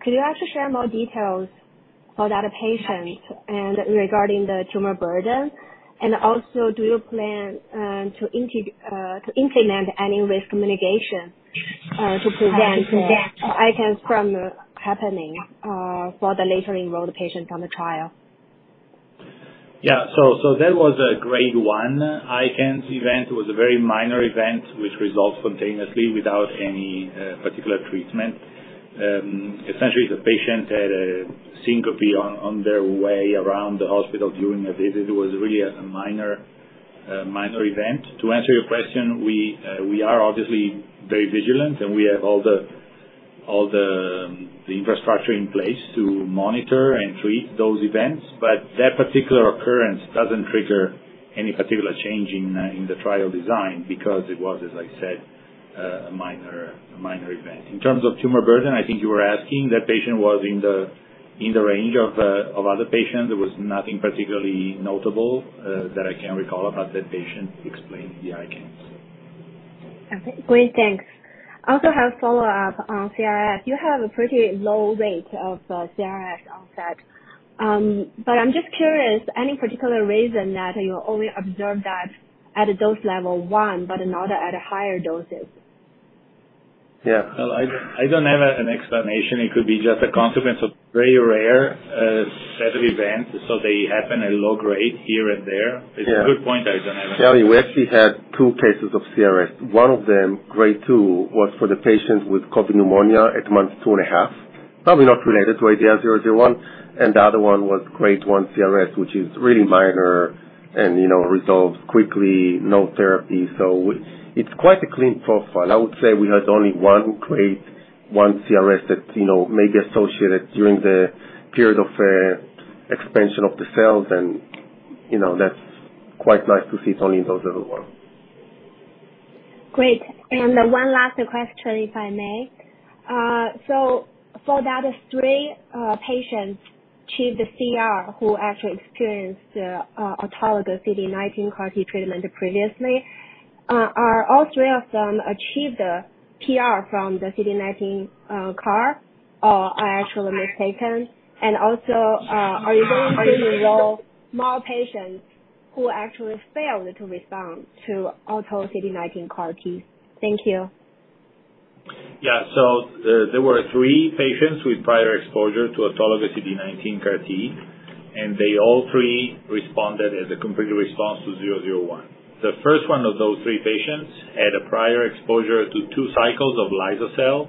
Could you actually share more details about the patient and regarding the tumor burden? Do you plan to implement any risk mitigation to prevent- To prevent -ICANS from happening, for the later enrolled patients on the trial? Yeah. That was a Grade 1 ICANS event. It was a very minor event which resolved spontaneously without any particular treatment. Essentially, the patient had a syncope on their way around the hospital during a visit. It was really a minor event. To answer your question, we are obviously very vigilant, and we have all the infrastructure in place to monitor and treat those events. That particular occurrence doesn't trigger any particular change in the trial design because it was, as I said, a minor event. In terms of tumor burden, I think you were asking, that patient was in the range of other patients. There was nothing particularly notable that I can recall about that patient to explain the ICANS. Okay. Great. Thanks. I also have a follow-up on CRS. You have a pretty low rate of CRS onset but I'm just curious, any particular reason that you only observe that at a Dose Level 1 but not at higher doses? Yeah. Well, I don't have an explanation. It could be just a consequence of very rare set of events. They happen at low grade here and there. Yeah. It's a good point. I don't have an answer. Kelly, we actually had two cases of CRS. One of them, Grade 2, was for the patient with COVID pneumonia at month two and half. Probably not related to ADI-001. The other one was Grade 1 CRS, which is really minor and, you know, resolves quickly, no therapy. It's quite a clean profile. I would say we had only one grade, one CRS that, you know, may be associated during the period of expansion of the cells and, you know, that's quite nice to see it's only in those overall. Great. One last question, if I may. For those three patients achieved the CR who actually experienced autologous CD19 CAR T treatment previously, are all three of them achieved the PR from the CD19 CAR, or am I actually mistaken? Also, are you going to enrol more patients who actually failed to respond to auto CD19 CAR T? Thank you. There were three patients with prior exposure to autologous CD19 CAR T, and they all three responded as a complete response to ADI-001. The first one of those three patients had a prior exposure to two cycles of liso-cel,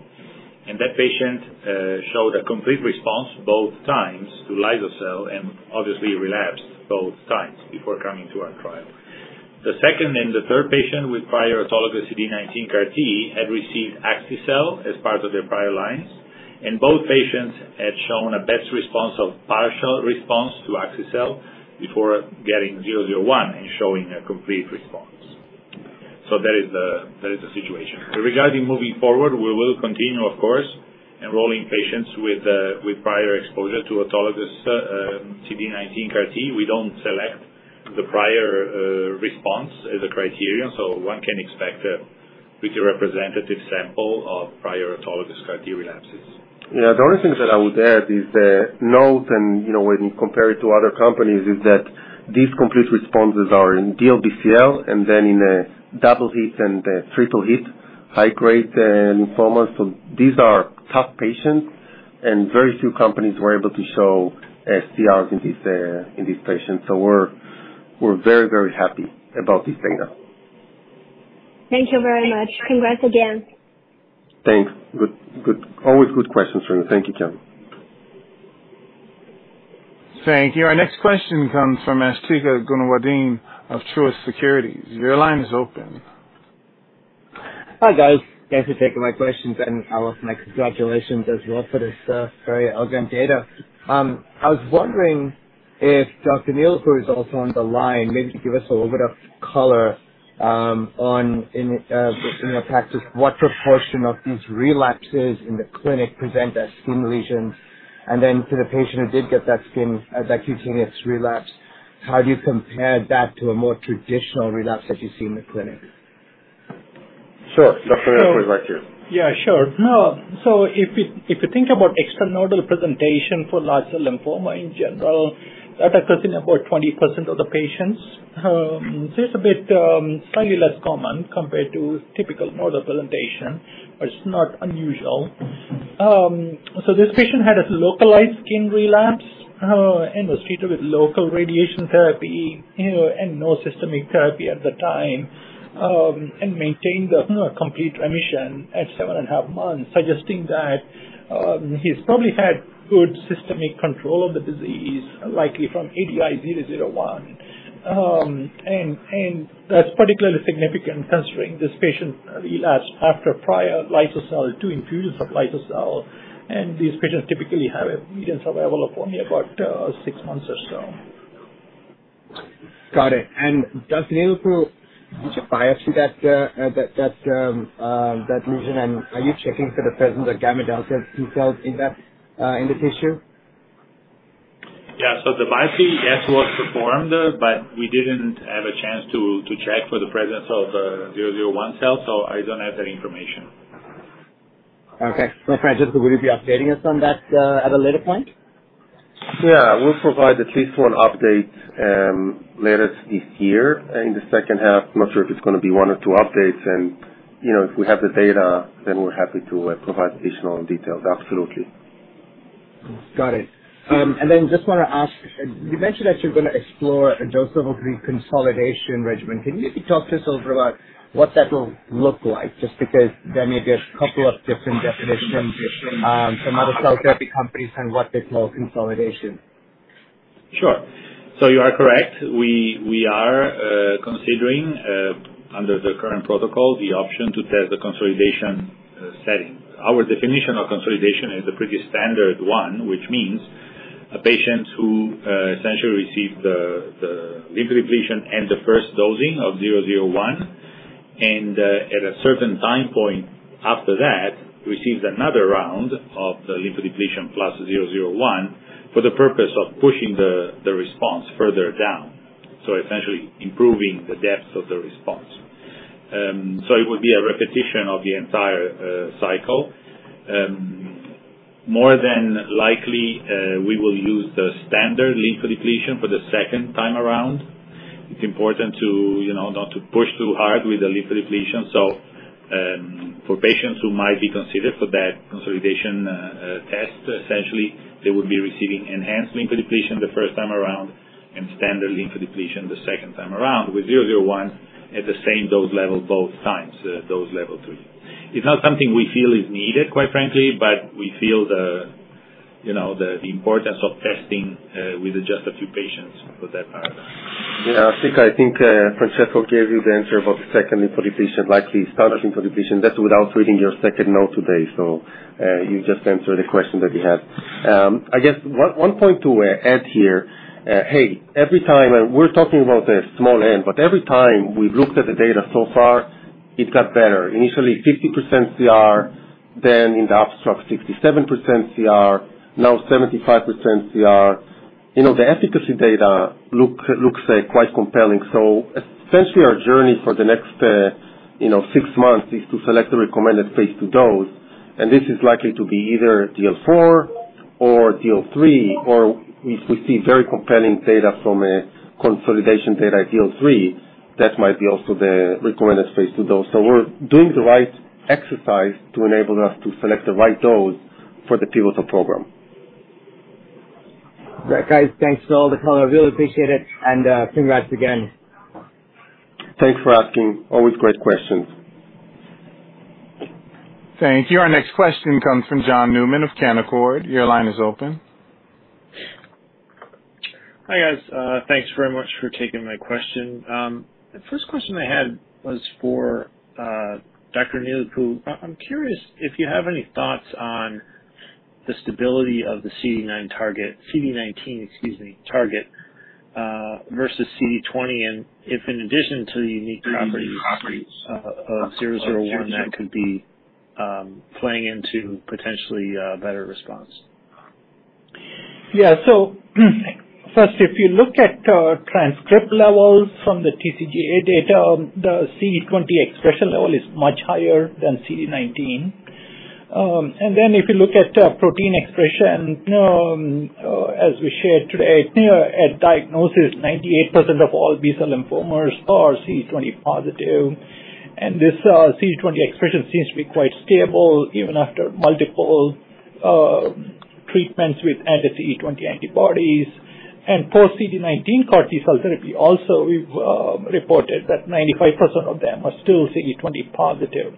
and that patient showed a complete response both times to liso-cel and obviously relapsed both times before coming to our trial. The second and the third patient with prior autologous CD19 CAR T had received axi-cel as part of their prior lines, and both patients had shown a best response of partial response to axi-cel before getting ADI-001 and showing a complete response. That is the situation. Regarding moving forward, we will continue, of course, enrolling patients with prior exposure to autologous CD19 CAR T. We don't select the prior response as a criterion, so one can expect a pretty representative sample of prior autologous CAR T relapses. Yeah. The only thing that I would add is the note and, you know, when you compare it to other companies is that these complete responses are in DLBCL and then in Double hit and Triple hit high-grade Lymphomas. So these are tough patients and very few companies were able to show CRs in these patients. So we're very, very happy about this data. Thank you very much. Congrats again. Thanks. Good. Always good questions from you. Thank you, Kelly Shi. Thank you. Our next question comes from Asthika Goonewardene of Truist Securities. Your line is open. Hi, guys. Thanks for taking my questions. Our congratulations as well for this very elegant data. I was wondering if Dr. Neelapu, who is also on the line, maybe could give us a little bit of color in your practice, what proportion of these relapses in the clinic present as skin lesions? Then for the patient who did get that skin, that cutaneous relapse, how do you compare that to a more traditional relapse that you see in the clinic? Sure. Dr. Neelapu is right here. Yeah, sure. No. If you think about extranodal presentation for Large Cell Lymphoma in general, that occurs in about 20% of the patients. So it's a bit slightly less common compared to typical nodal presentation, but it's not unusual. This patient had a localized skin relapse and was treated with local radiation therapy, you know, and no systemic therapy at the time and maintained a complete remission at seven and a half months, suggesting that he's probably had good systemic control of the disease, likely from ADI-001. And that's particularly significant considering this patient relapsed after prior liso-cel, two infusions of liso-cel, and these patients typically have a median survival of only about six months or so. Got it. Dr. Neelapu, did you biopsy that lesion, and are you checking for the presence of gamma delta T cells in the tissue? Yeah. The biopsy, yes, was performed, but we didn't have a chance to check for the presence of ADI-001 cells, so I don't have that information. Okay. Francesco, will you be updating us on that at a later point? Yeah. We'll provide at least one update later this year in the H2. Not sure if it's gonna be one or two updates. You know, if we have the data, then we're happy to provide additional details. Absolutely. Got it. Just wanna ask, you mentioned that you're gonna explore a Dose Level 3 consolidation regimen. Can you maybe talk to us a little about what that will look like? Just because there may be a couple of different definitions from other cell therapy companies and what they call consolidation. Sure. You are correct. We are considering under the current protocol the option to test the consolidation setting. Our definition of consolidation is a pretty standard one, which means a patient who essentially received the lymph depletion and the first dosing of ADI-001, and at a certain time point after that, receives another round of the lymph depletion plus ADI-001 for the purpose of pushing the response further down, essentially improving the depth of the response. It would be a repetition of the entire cycle. More than likely, we will use the standard lymph depletion for the second time around. It's important to, you know, not to push too hard with the lymph depletion. For patients who might be considered for that consolidation test, essentially, they would be receiving enhanced lymph depletion the first time around. Standard lymphodepletion the second time around with ADI-001 at the same dose level both times, Dose Level 3. It's not something we feel is needed, quite frankly, but we feel the, you know, the importance of testing with just a few patients for that paradigm. Yeah, I think Francesco gave you the answer about second lymphodepletion, likely standard lymphodepletion. That's without reading your second note today. You just answered the question that you had. I guess one point to add here, every time we're talking about a small n, but every time we've looked at the data so far, it got better. Initially 50% CR, then in the abstract, 67% CR. Now 75% CR. You know, the efficacy data looks quite compelling. Essentially our journey for the next, you know, six months is to select the recommended phase II dose, and this is likely to be either DL 4 or DL 3, or if we see very compelling data from a consolidation data DL 3, that might be also the recommended phase II dose. We're doing the right exercise to enable us to select the right dose for the pivotal program. Great. Guys, thanks for all the color. I really appreciate it, and congrats again. Thanks for asking. Always great questions. Thank you. Our next question comes from John Newman of Canaccord. Your line is open. Hi, guys. Thanks very much for taking my question. The first question I had was for Dr. Sattva Neelapu. I'm curious if you have any thoughts on the stability of the CD19 target, CD19, excuse me, target, versus CD20. If in addition to the unique properties of ADI-001 that could be playing into potentially a better response. Yeah. First, if you look at our transcript levels from the TCGA data, the CD20 expression level is much higher than CD19. Then if you look at protein expression, as we shared today, you know, at diagnosis, 98% of all B-cell lymphomas are CD20 positive, and this CD20 expression seems to be quite stable even after multiple treatments with anti-CD20 antibodies. Post CD19 CAR T cell therapy also, we've reported that 95% of them are still CD20 positive.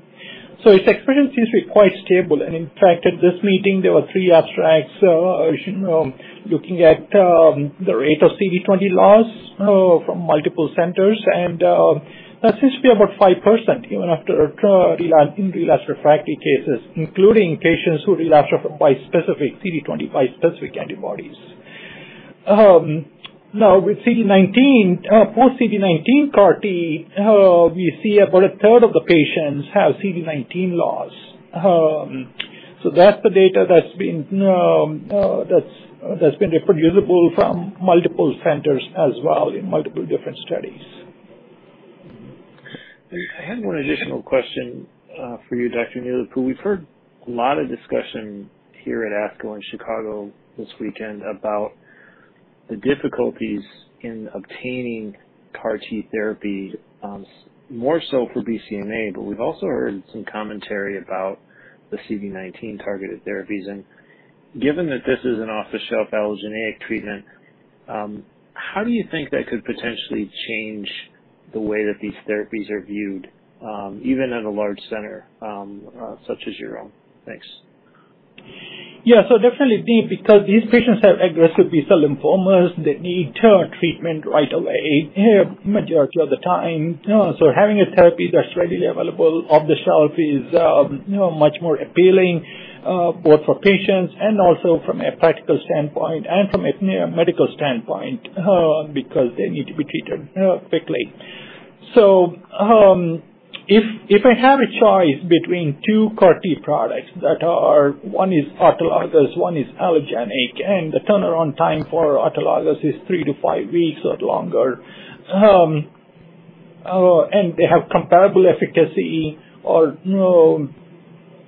Its expression seems to be quite stable, and in fact, at this meeting there were three abstracts, you know, looking at the rate of CD20 loss from multiple centers. That seems to be about 5% even after in relapsed refractory cases, including patients who relapsed off bispecific CD20 antibodies. Now with CD19, post CD19 CAR T, we see about a third of the patients have CD19 loss. So that's the data that's been reproducible from multiple centers as well in multiple different studies. I had one additional question for you, Dr. Sattva Neelapu. We've heard a lot of discussion here at ASCO in Chicago this weekend about the difficulties in obtaining CAR-T therapy, more so for BCMA, but we've also heard some commentary about the CD19 targeted therapies. Given that this is an off-the-shelf allogeneic treatment, how do you think that could potentially change the way that these therapies are viewed, even at a large center, such as your own? Thanks. Yeah, definitely because these patients have aggressive B-cell lymphomas, they need treatment right away majority of the time. Having a therapy that's readily available off the shelf is, you know, much more appealing, both for patients and also from a practical standpoint and from a medical standpoint, because they need to be treated, quickly. If I have a choice between two CAR T products that are, one is autologous, one is allogeneic, and the turnaround time for autologous is three to five weeks or longer, and they have comparable efficacy or, you know,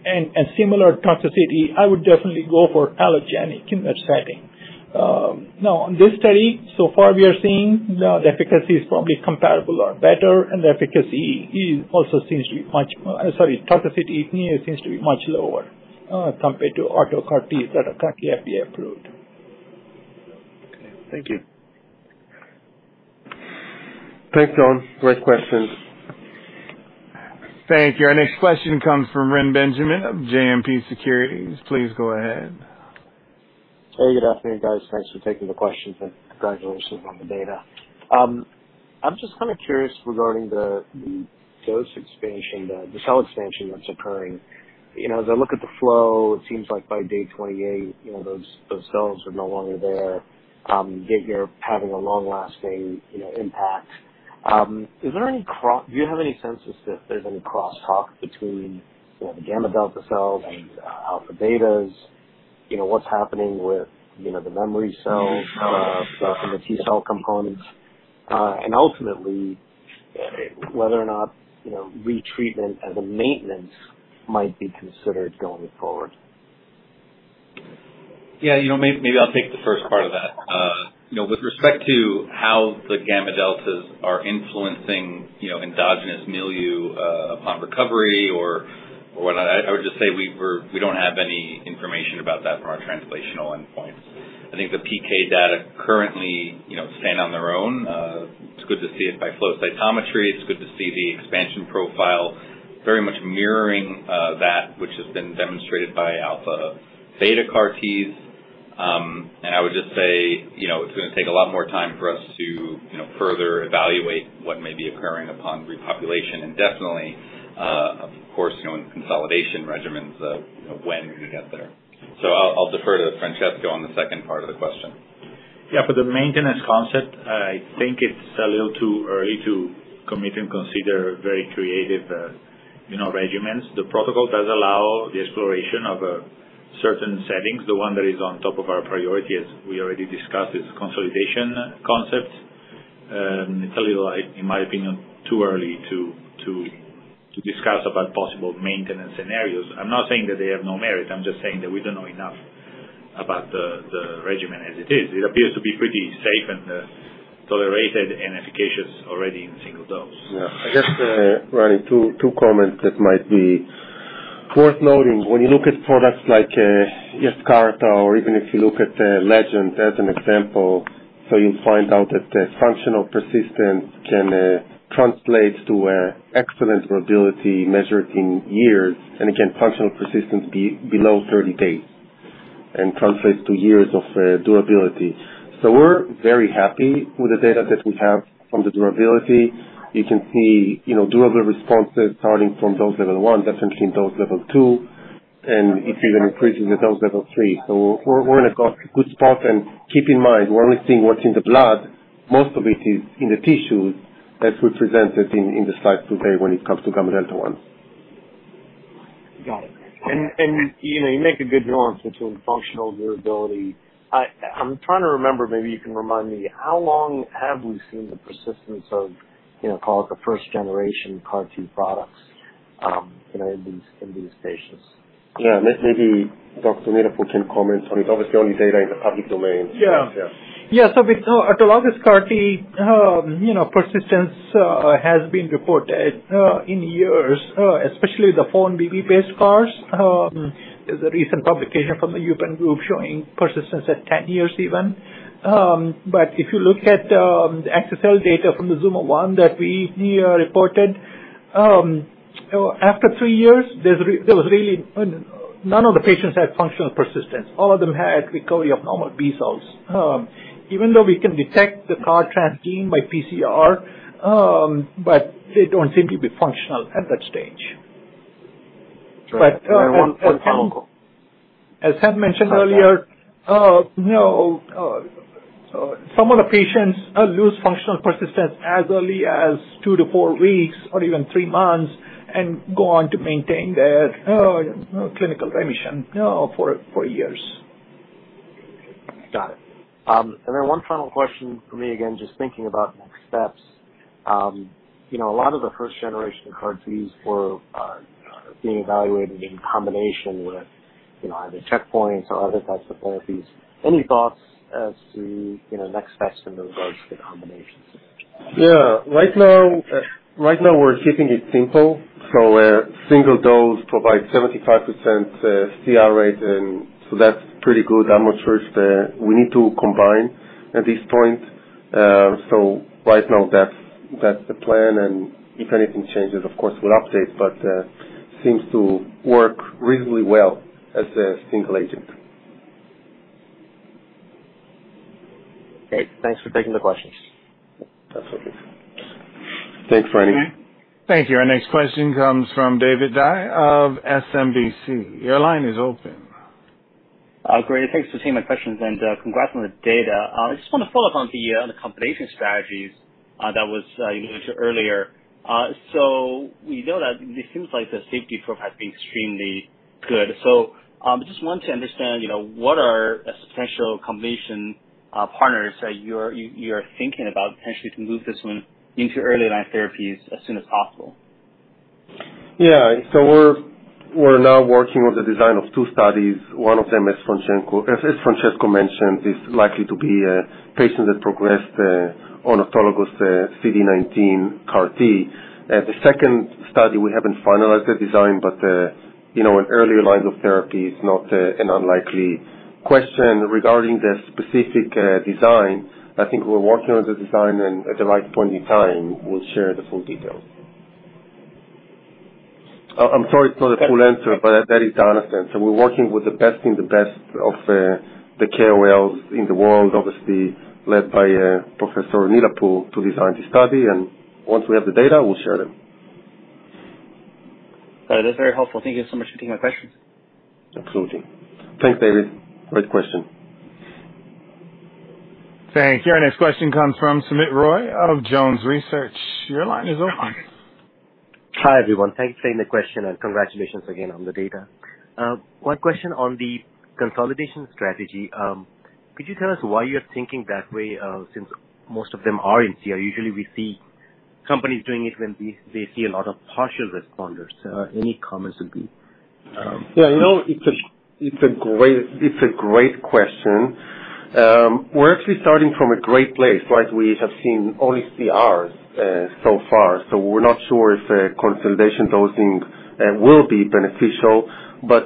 and similar toxicity, I would definitely go for allogeneic in that setting. Now in this study so far we are seeing the efficacy is probably comparable or better, and the efficacy is also seems to be much more. Sorry, toxicity seems to be much lower, compared to auto CAR-T that are currently FDA approved. Okay. Thank you. Thanks, John. Great questions. Thank you. Our next question comes from Reni Benjamin of JMP Securities. Please go ahead. Good afternoon, guys. Thanks for taking the question, and congratulations on the data. I'm just curious regarding the dose expansion, the cell expansion that's occurring. As I look at the flow, it seems like by day 28, those cells are no longer there. Yet you're having a long-lasting impact. Do you have any sense as to if there's any crosstalk between, you know, the gamma delta cells and alpha betas? What's happening with the memory cells from the T-cell components? And ultimately, whether or not, you know, retreatment as a maintenance might be considered going forward? Yeah. You know, maybe I'll take the first part of that. You know, with respect to how the gamma deltas are influencing, you know, endogenous milieu, upon recovery. Just say we don't have any information about that from our translational endpoints. I think the PK data currently, you know, stand on their own. It's good to see it by flow cytometry. It's good to see the expansion profile very much mirroring that which has been demonstrated by alpha beta CAR Ts. I would just say, you know, it's gonna take a lot more time for us to, you know, further evaluate what may be occurring upon repopulation and definitely, of course, you know, in consolidation regimens of, you know, when we get there. I'll defer to Francesco on the second part of the question. Yeah, for the maintenance concept, I think it's a little too early to commit and consider very creative, you know, regimens. The protocol does allow the exploration of certain settings. The one that is on top of our priority, as we already discussed, is consolidation concept. It's a little, like, in my opinion, too early to discuss about possible maintenance scenarios. I'm not saying that they have no merit. I'm just saying that we don't know enough about the regimen as it is. It appears to be pretty safe and tolerated and efficacious already in single dose. Yeah. I guess, Reni, two comments that might be worth noting. When you look at products like Yescarta or even if you look at Legend as an example, so you'll find out that the functional persistence can translate to excellent durability measured in years, and again, functional persistence be below 30 days and translates to years of durability. We're very happy with the data that we have from the durability. You can see, you know, durable responses starting from Dose Level 1, definitely in Dose Level 2, and it's even increasing the Dose Level 3. We're in a good spot and keep in mind we're only seeing what's in the blood. Most of it is in the tissues that's represented in the slide today when it comes to gamma delta 1. Got it. You make a good nuance between functional durability. I'm trying to remember, maybe you can remind me, how long have we seen the persistence of, you know, call it the first generation CAR T products, you know, in these patients? Yeah. Maybe Dr. Sattva Neelapu can comment on it. Obviously, only data in the public domain. Yeah. Yeah. Yeah. With autologous CAR T, you know, persistence has been reported in years, especially the 4-1BB-based CARs. There's a recent publication from the UPenn group showing persistence at 10 years even but if you look at the axi-cel data from the ZUMA-1 that we reported after three years, there was really no functional persistence. None of the patients had functional persistence. All of them had recovery of normal B cells. Even though we can detect the CAR transgene by PCR, but they don't seem to be functional at that stage. Right. One final- As I mentioned earlier, you know, some of the patients lose functional persistence as early as two to four weeks or even three months and go on to maintain their clinical remission for years. Got it. One final question from me, again, just thinking about next steps. You know, a lot of the first generation of CAR Ts were being evaluated in combination with, you know, either checkpoints or other types of therapies. Any thoughts as to, you know, next steps in regards to combinations? Right now we're keeping it simple. Single dose provides 75% CR rate and that's pretty good. I'm not sure if we need to combine at this point. Right now that's the plan and if anything changes of course we'll update, but seems to work reasonably well as a single agent. Great. Thanks for taking the questions. Absolutely. Thanks, Reni. Thank you. Our next question comes from David Dai of SMBC. Your line is open. Great. Thanks for taking my questions and, congrats on the data. I just wanna follow up on the, on the combination strategies, that was alluded to earlier. So we know that it seems like the safety profile being extremely good. So, I just want to understand, you know, what are potential combination, partners that you're thinking about potentially to move this one into early line therapies as soon as possible? Yeah. We're now working on the design of two studies. One of them, as Francesco mentioned, is likely to be patients that progressed on autologous CD19 CAR T. The second study, we haven't finalized the design, but you know, an earlier line of therapy is not an unlikely question regarding the specific design. I think we're working on the design and at the right point in time, we'll share the full details. I'm sorry it's not a full answer, but that is the honest answer. We're working with the best of the KOLs in the world, obviously led by Professor Sattva Neelapu, to design the study. Once we have the data, we'll share them. That is very helpful. Thank you so much for taking my questions. Absolutely. Thanks, David. Great question. Thank you. Our next question comes from Soumit Roy of Jones Research. Your line is open. Hi, everyone. Thanks for taking the question and congratulations again on the data. One question on the consolidation strategy. Could you tell us why you're thinking that way, since most of them are in CR? Usually we see companies doing it when they see a lot of partial responders. Any comments would be. Yeah. You know, it's a great question. We're actually starting from a great place, right? We have seen only CRs so far, so we're not sure if consolidation dosing will be beneficial.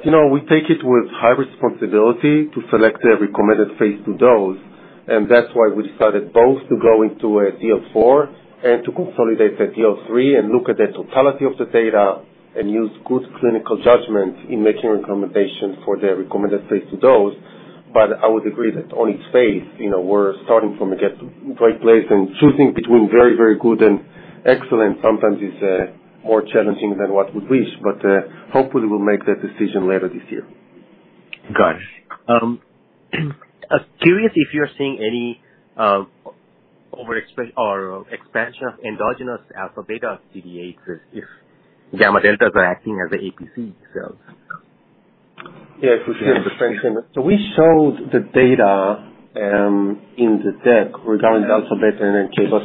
You know, we take it with high responsibility to select a recommended phase II dose, and that's why we decided both to go into a DL 4 and to consolidate the DL 3 and look at the totality of the data and use good clinical judgment in making recommendations for the recommended phase 2 dose. I would agree that on its face, you know, we're starting from a great place and choosing between very, very good and excellent sometimes is more challenging than what we wish. Hopefully we'll make that decision later this year. Got it. Curious if you're seeing any expansion of endogenous alpha beta CD8s if gamma deltas are acting as the APC cells? Yeah, if we hear the question. We showed the data in the deck regarding the alpha, beta, and NK, but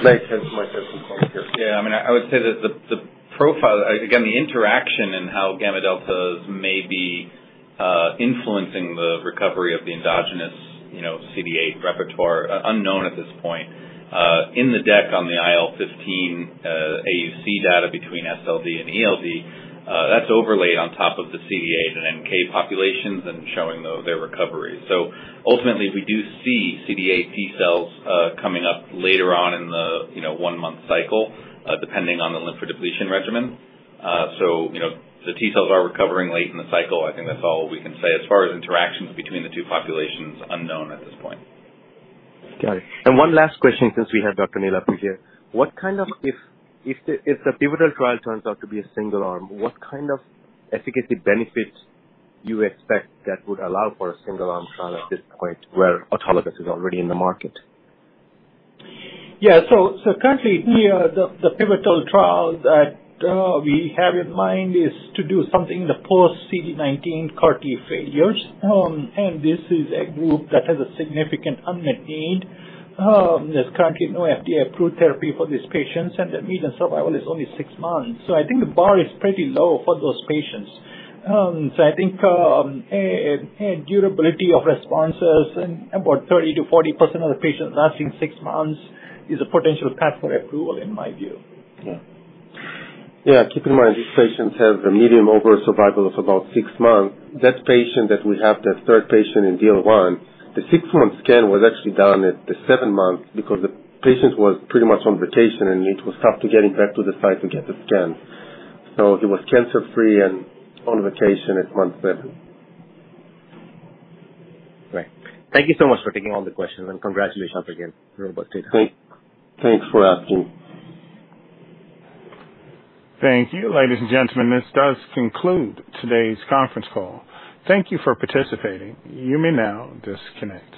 Blake Aftab has much better point here. Yeah. I mean, I would say that the profile, again, the interaction and how gamma deltas may be influencing the recovery of the endogenous CD8 repertoire, unknown at this point. In the deck on the IL-15, AUC data between SLD and ELD, that's overlaid on top of the CD8 and NK populations and showing their recovery. Ultimately, we do see CD8 T cells coming up later on in the one-month cycle, depending on the lymphodepletion regimen. You know, the T cells are recovering late in the cycle. I think that's all we can say. As far as interactions between the two populations, unknown at this point. Got it. One last question, since we have Dr. Sattva Neelapu here. If the pivotal trial turns out to be a single-arm, what efficacy benefits you expect that would allow for a single-arm trial at this point where autologous is already in the market? Currently here, the pivotal trial that we have in mind is to do something in the post-CD19 CAR T failures. This is a group that has a significant unmet need. There's currently no FDA-approved therapy for these patients, and the median survival is only six months. I think the bar is pretty low for those patients. A durability of responses in about 30%-40% of the patients lasting six months is a potential path for approval, in my view. Yeah. Yeah. Keep in mind, these patients have a median overall survival of about six months. That patient that we have, that third patient in DL 1, the six month scan was actually done at the seventh month because the patients was pretty much on vacation, and it was tough to get him back to the site to get the scan. He was cancer-free and on vacation at month seven. Great. Thank you so much for taking all the questions, and congratulations again for a robust data. Thanks for asking. Thank you, ladies and gentlemen. This does conclude today's conference call. Thank you for participating. You may now disconnect.